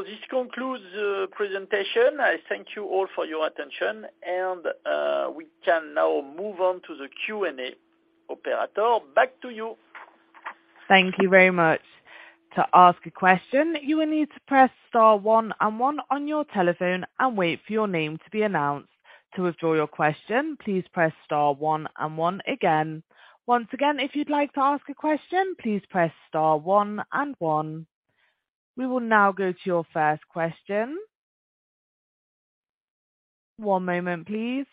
This concludes the presentation. I thank you all for your attention and we can now move on to the Q&A. Operator, back to you. Thank you very much. To ask a question, you will need to press star one and one on your telephone and wait for your name to be announced. To withdraw your question, please press star one and one again. Once again, if you'd like to ask a question, please press star one and one. We will now go to your first question. One moment, please.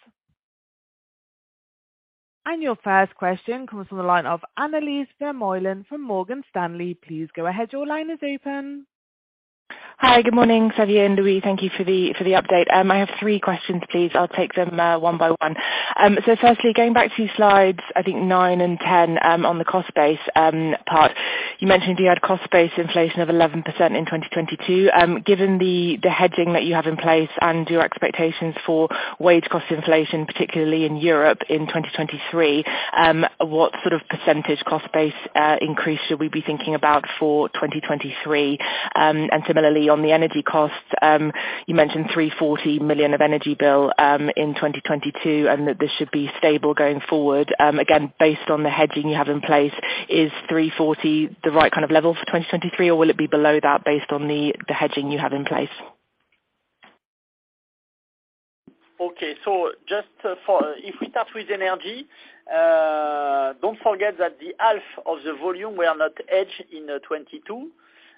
Your first question comes from the line of Annelies Vermeulen from Morgan Stanley. Please go ahead, your line is open. Hi. Good morning, Xavier and Louis. Thank you for the update. I have three questions, please. I'll take them one by one. Firstly, going back to slides, I think nine and 10, on the cost base part, you mentioned you had cost base inflation of 11% in 2022. Given the hedging that you have in place and your expectations for wage cost inflation, particularly in Europe in 2023, what sort of percentage cost base increase should we be thinking about for 2023? Similarly on the energy costs, you mentioned 340 million of energy bill in 2022, and that this should be stable going forward. Again, based on the hedging you have in place, is 340 the right kind of level for 2023, or will it be below that based on the hedging you have in place? Okay. If we start with energy, don't forget that the half of the volume were not hedged in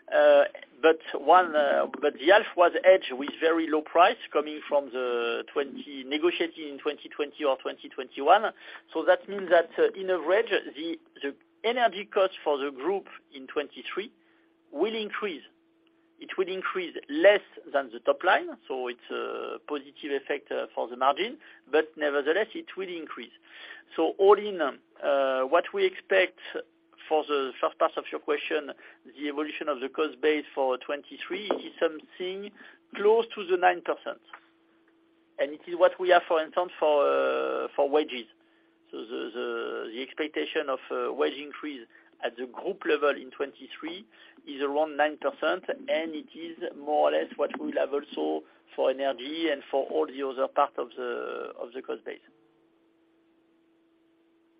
2022. The half was hedged with very low price coming from the 2020, negotiated in 2020 or 2021. That means that in average, the energy cost for the group in 2023 will increase. It will increase less than the top line, so it's a positive effect for the margin. Nevertheless, it will increase. All in, what we expect for the first part of your question, the evolution of the cost base for 2023 is something close to the 9%. It is what we have, for instance, for wages. The expectation of wage increase at the group level in 2023 is around 9%, and it is more or less what we'll have also for energy and for all the other part of the cost base.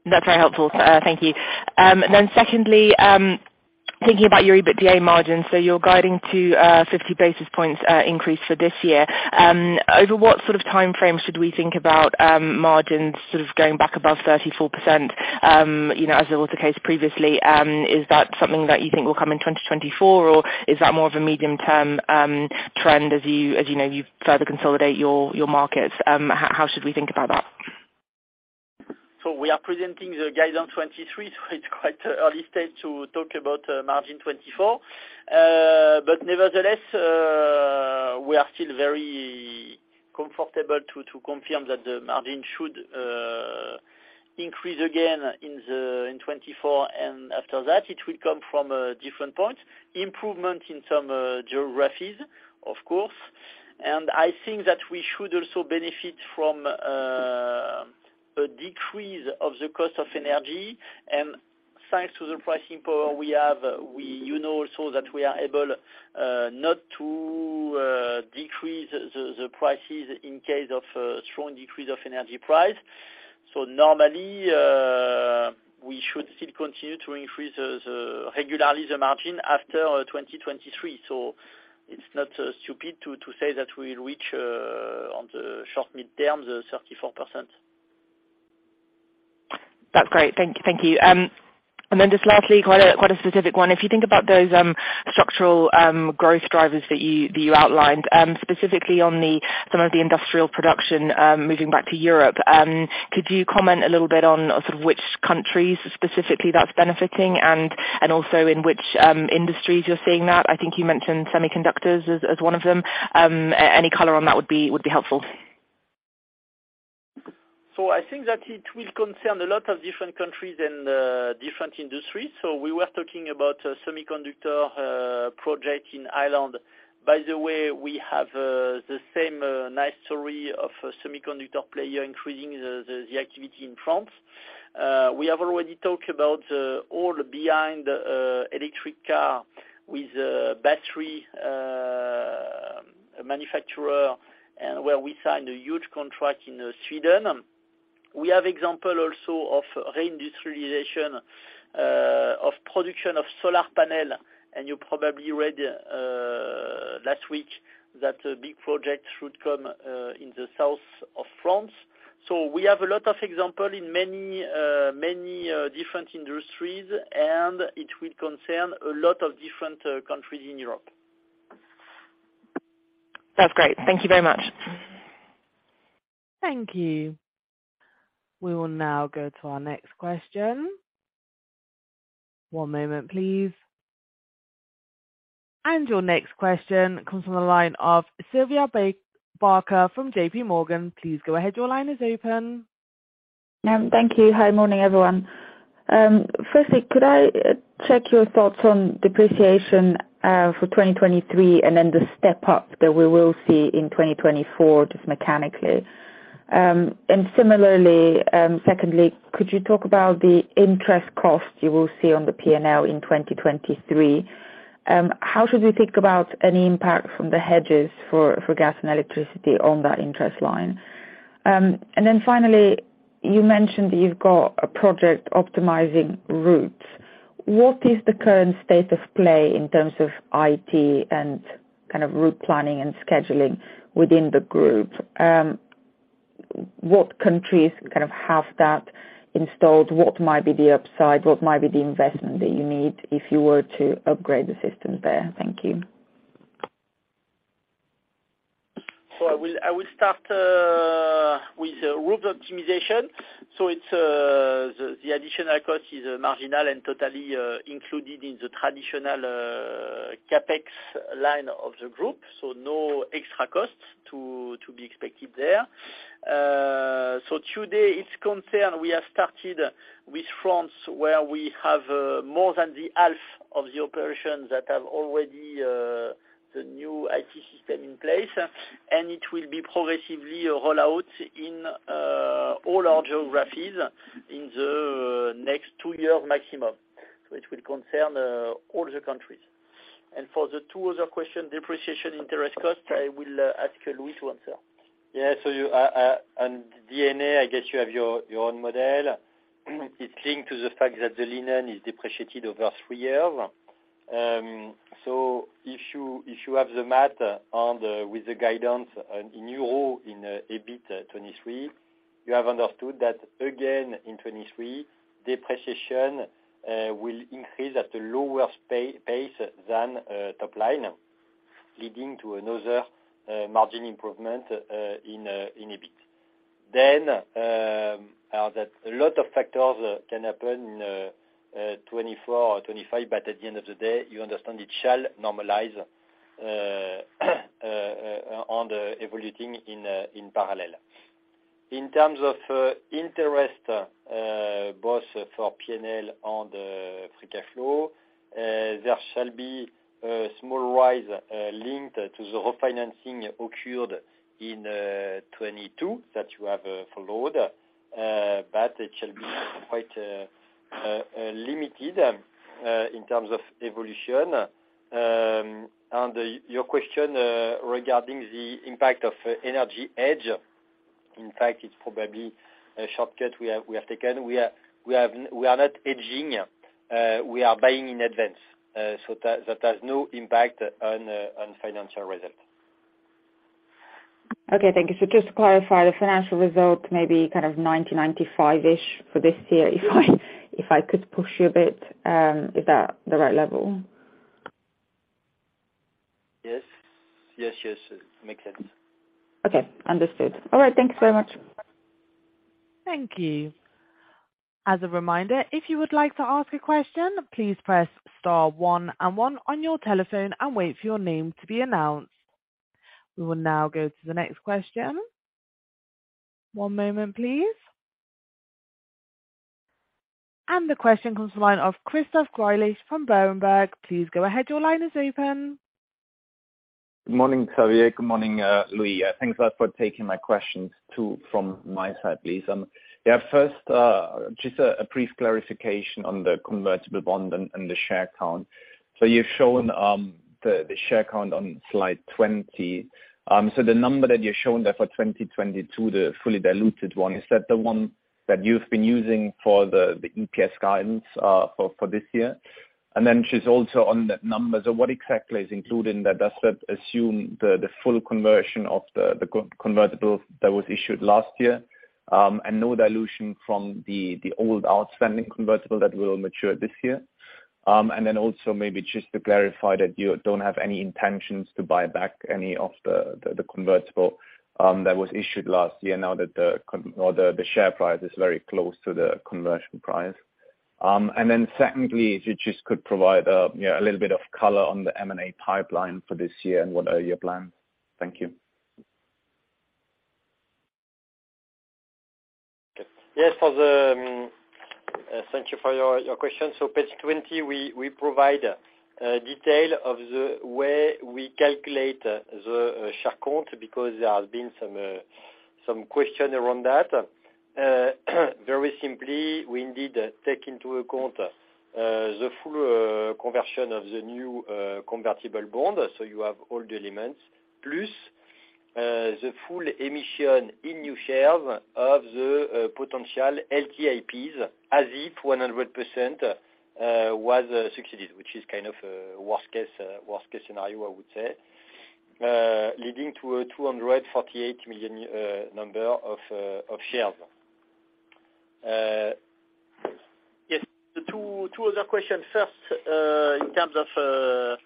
That's very helpful. Thank you. Secondly, thinking about your EBITDA margins. You're guiding to 50 basis points increase for this year. Over what sort of timeframe should we think about margins sort of going back above 34%? You know, as was the case previously. Is that something that you think will come in 2024, or is that more of a medium-term trend as you, as you know, you further consolidate your markets? How should we think about that? We are presenting the guidance 2023, it's quite early stage to talk about margin 2024. Nevertheless, we are still very comfortable to confirm that the margin should increase again in 2024 and after that. It will come from different points. Improvement in some geographies, of course. I think that we should also benefit from a decrease of the cost of energy. Thanks to the pricing power we have, we know also that we are able not to decrease the prices in case of strong decrease of energy price. Normally, we should still continue to increase the regularly the margin after 2023. It's not stupid to say that we'll reach on the short mid-term the 34%. That's great. Thank you. Just lastly, quite a specific one. If you think about those structural growth drivers that you outlined, specifically on some of the industrial production moving back to Europe, could you comment a little bit on sort of which countries specifically that's benefiting and also in which industries you're seeing that? I think you mentioned semiconductors as one of them. Any color on that would be helpful. I think that it will concern a lot of different countries and different industries. We were talking about a semiconductor project in Ireland. By the way, we have the same nice story of a semiconductor player increasing the activity in France. We have already talked about the all behind electric car with a battery manufacturer and where we signed a huge contract in Sweden. We have example also of re-industrialization of production of solar panel. You probably read last week that a big project should come in the south of France. We have a lot of example in many different industries, and it will concern a lot of different countries in Europe. That's great. Thank you very much. Thank you. We will now go to our next question. One moment, please. Your next question comes from the line of Sylvia Barker from JPMorgan. Please go ahead. Your line is open. Thank you. Hi. Morning, everyone. Firstly, could I check your thoughts on depreciation for 2023 and then the step up that we will see in 2024, just mechanically? Similarly, secondly, could you talk about the interest cost you will see on the P&L in 2023? How should we think about any impact from the hedges for gas and electricity on that interest line? Finally, you mentioned that you've got a project optimizing routes. What is the current state of play in terms of IT and kind of route planning and scheduling within the group? What countries kind of have that installed? What might be the upside? What might be the investment that you need if you were to upgrade the system there? Thank you. I will start with the route optimization. It's the additional cost is marginal and totally included in the traditional CapEx line of the group. No extra costs to be expected there. Today it's concerned we have started with France, where we have more than half of the operations that have already the new IT system in place. It will be progressively a rollout in all our geographies in the next two years maximum, which will concern all the countries. For the two other questions, depreciation, interest cost, I will ask Louis to answer. You have your own model. It is linked to the fact that the linen is depreciated over three years. If you have the math with the guidance in EUR in EBIT 2023, you have understood that again in 2023, depreciation will increase at a lower pace than top line, leading to another margin improvement in EBIT. Then a lot of factors can happen 2024 or 2025, but at the end of the day, you understand it shall normalize on the evaluating in parallel In terms of interest, both for P&L and free cash flow, there shall be a small rise, linked to the refinancing occurred in 2022 that you have followed. It shall be quite limited in terms of evolution. Your question regarding the impact of energy hedge. In fact, it's probably a shortcut we have taken. We are not hedging. We are buying in advance. That has no impact on financial result. Okay. Thank you. Just to clarify the financial result, maybe kind of 90, 95-ish for this year. If I could push you a bit, is that the right level? Yes. Yes. It makes sense. Okay. Understood. All right. Thank you so much. Thank you. As a reminder, if you would like to ask a question, please press star one and one on your telephone and wait for your name to be announced. We will now go to the next question. One moment, please. The question comes from the line of Christoph Greulich from Berenberg. Please go ahead. Your line is open. Good morning, Xavier. Good morning, Louis. Thanks a lot for taking my questions too, from my side, please. Yeah, first, just a brief clarification on the convertible bond and the share count. You've shown the share count on slide 20. The number that you're showing there for 2022, the fully diluted one, is that the one that you've been using for the EPS guidance for this year? Just also on the numbers, what exactly is included in that? Does that assume the full conversion of the convertible that was issued last year, and no dilution from the old outstanding convertible that will mature this year? Also maybe just to clarify that you don't have any intentions to buy back any of the convertible that was issued last year now that the share price is very close to the conversion price. Secondly, if you just could provide, you know, a little bit of color on the M&A pipeline for this year and what are your plans. Thank you. Yes. For the, thank you for your question. Page 20, we provide detail of the way we calculate the share count because there has been some question around that. Very simply, we indeed take into account the full conversion of the new convertible bond. You have all the elements, plus the full emission in new shares of the potential LTIPs as if 100% was succeeded, which is kind of a worst case, worst case scenario, I would say, leading to a 248 million number of shares. Yes. The two other questions. First, in terms of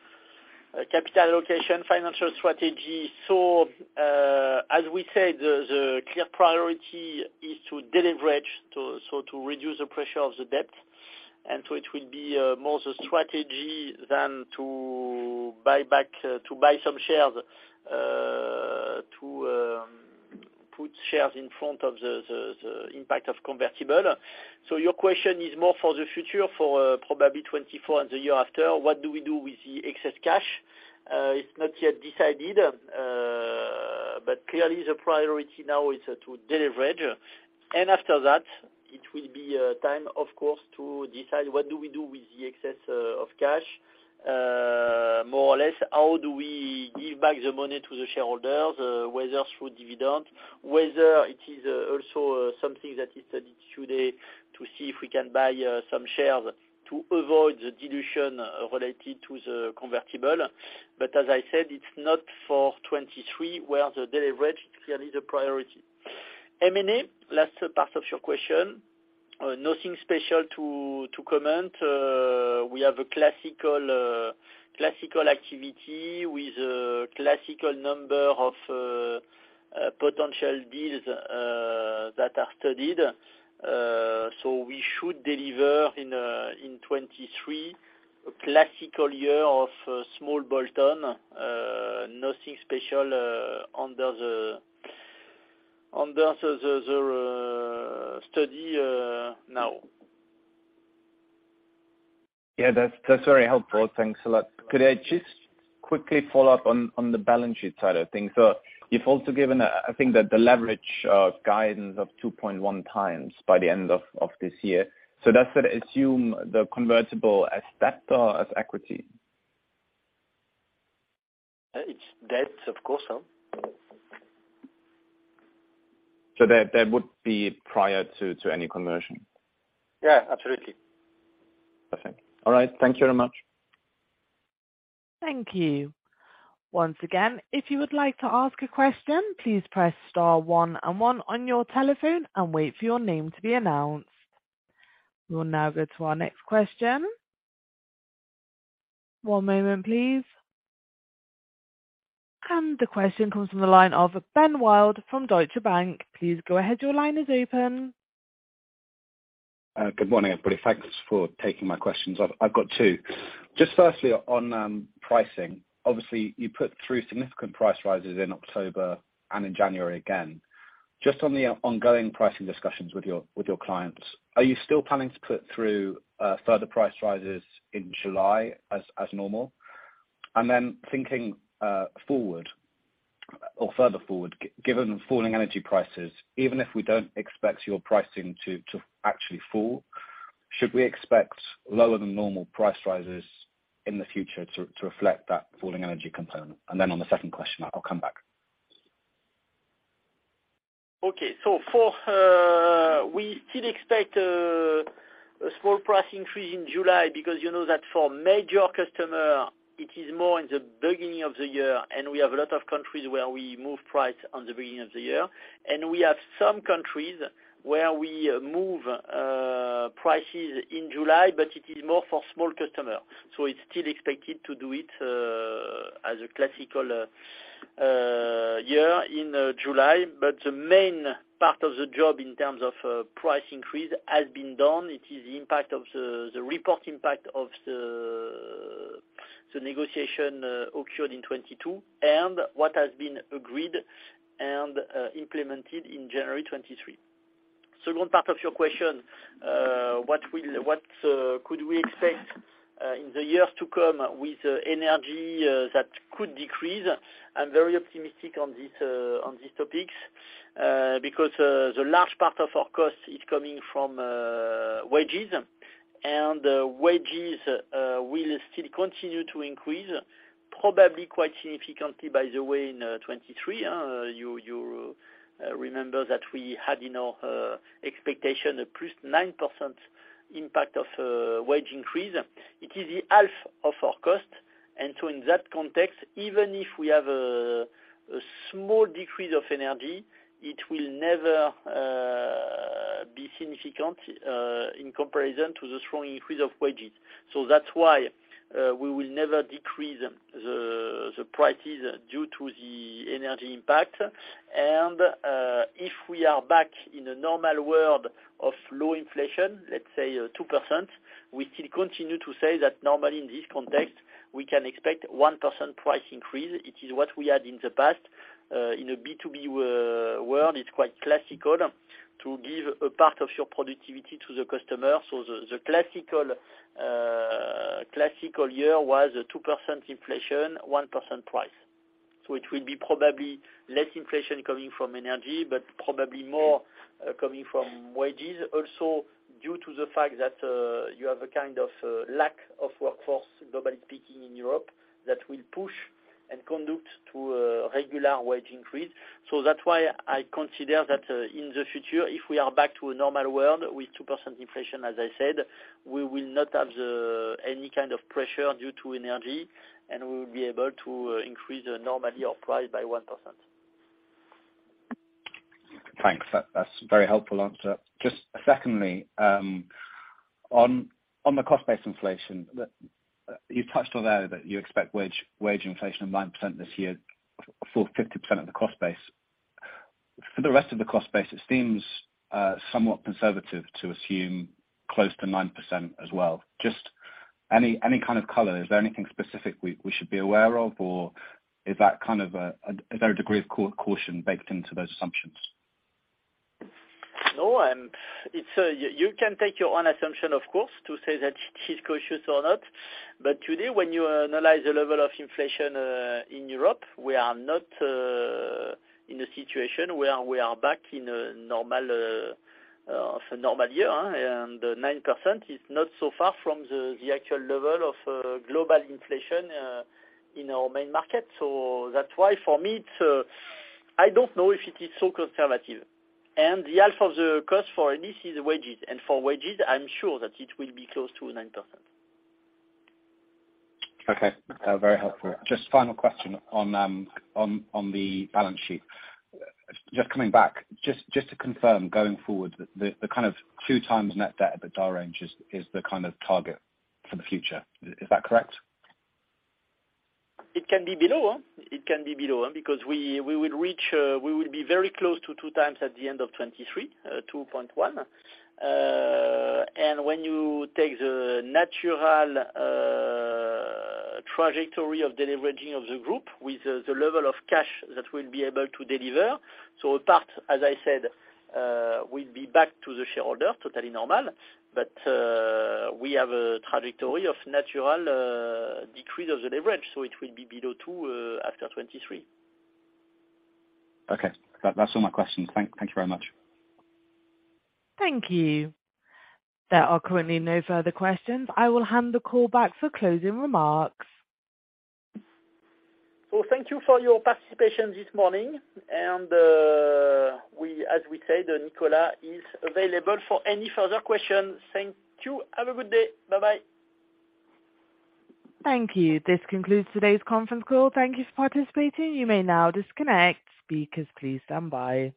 capital allocation, financial strategy. As we said, the clear priority is to de-leverage to... To reduce the pressure of the debt, it will be more the strategy than to buy back to buy some shares to put shares in front of the impact of convertible. Your question is more for the future, for probably 2024 and the year after, what do we do with the excess cash? It's not yet decided, but clearly the priority now is to de-leverage. After that, it will be time of course, to decide what do we do with the excess of cash. More or less, how do we give back the money to the shareholders, whether through dividends, whether it is also something that is studied today to see if we can buy some shares to avoid the dilution related to the convertible. As I said, it's not for 2023, where the de-leverage clearly the priority. M&A, last part of your question. Nothing special to comment. We have a classical activity with a classical number of potential deals that are studied. We should deliver in 2023 a classical year of a small bolt-on. Nothing special under the study now. Yeah, that's very helpful. Thanks a lot. Could I just quickly follow up on the balance sheet side of things? You've also given a thing that the leverage guidance of 2.1x by the end of this year. Does that assume the convertible as debt or as equity? It's debt, of course, yeah. That would be prior to any conversion? Yeah, absolutely. Perfect. All right. Thank you very much. Thank you. Once again, if you would like to ask a question, please press star one and one on your telephone and wait for your name to be announced. We will now go to our next question. One moment, please. The question comes from the line of Ben Wild from Deutsche Bank. Please go ahead. Your line is open. Good morning, everybody. Thanks for taking my questions. I've got two. Just firstly on pricing. Obviously you put through significant price rises in October and in January again. Just on the ongoing pricing discussions with your, with your clients, are you still planning to put through further price rises in July as normal? Thinking forward or further forward, given falling energy prices, even if we don't expect your pricing to actually fall, should we expect lower than normal price rises in the future to reflect that falling energy component? On the second question, I will come back. Okay. For we still expect a small price increase in July because you know that for major customer, it is more in the beginning of the year. We have a lot of countries where we move price on the beginning of the year. We have some countries where we move prices in July, but it is more for small customers. It's still expected to do it as a classical year in July. The main part of the job in terms of price increase has been done. It is the impact of the report impact of the negotiation occurred in 2022, and what has been agreed and implemented in January 2023. Second part of your question, what could we expect in the years to come with energy that could decrease? I'm very optimistic on these topics, because the large part of our cost is coming from wages. Wages will still continue to increase, probably quite significantly by the way in 2023. You remember that we had in our expectation a +9% impact of wage increase. It is the half of our cost, in that context, even if we have a small decrease of energy, it will never be significant in comparison to the strong increase of wages. That's why we will never decrease the prices due to the energy impact. If we are back in a normal world of low inflation, let's say 2%, we still continue to say that normally in this context, we can expect 1% price increase. It is what we had in the past. In a B2B world, it's quite classical to give a part of your productivity to the customer. The classical year was a 2% inflation, 1% price. It will be probably less inflation coming from energy, but probably more coming from wages. Due to the fact that you have a kind of a lack of workforce, globally speaking in Europe, that will push and conduct to regular wage increase. That's why I consider that in the future, if we are back to a normal world with 2% inflation, as I said, we will not have any kind of pressure due to energy, and we will be able to increase normally our price by 1%. Thanks. That's a very helpful answer. Just secondly, on the cost base inflation that you've touched on there, that you expect wage inflation of 9% this year for 50% of the cost base. For the rest of the cost base, it seems somewhat conservative to assume close to 9% as well. Just any kind of color? Is there anything specific we should be aware of, or is that kind of a, is there a degree of caution baked into those assumptions? No, it's, you can take your own assumption, of course, to say that it is cautious or not. Today, when you analyze the level of inflation in Europe, we are not in a situation where we are back in a normal of a normal year, and 9% is not so far from the actual level of global inflation in our main market. That's why for me, it's, I don't know if it is so conservative. The half of the cost for this is wages. For wages, I'm sure that it will be close to 9%. Okay. Very helpful. Just final question on the balance sheet. Just coming back, just to confirm, going forward, the kind of 2x net debt at the EBITDA range is the kind of target for the future. Is that correct? It can be below. It can be below, because we will reach, we will be very close to 2x at the end of 2023, 2.1. When you take the natural trajectory of deleveraging of the group with the level of cash that we'll be able to deliver, that, as I said, will be back to the shareholder, totally normal. We have a trajectory of natural decrease of the leverage, it will be below 2, after 2023. Okay. That's all my questions. Thank you very much. Thank you. There are currently no further questions. I will hand the call back for closing remarks. Thank you for your participation this morning. We, as we said, Nicolas is available for any further questions. Thank you. Have a good day. Bye-bye. Thank you. This concludes today's conference call. Thank you for participating. You may now disconnect. Speakers, please stand by.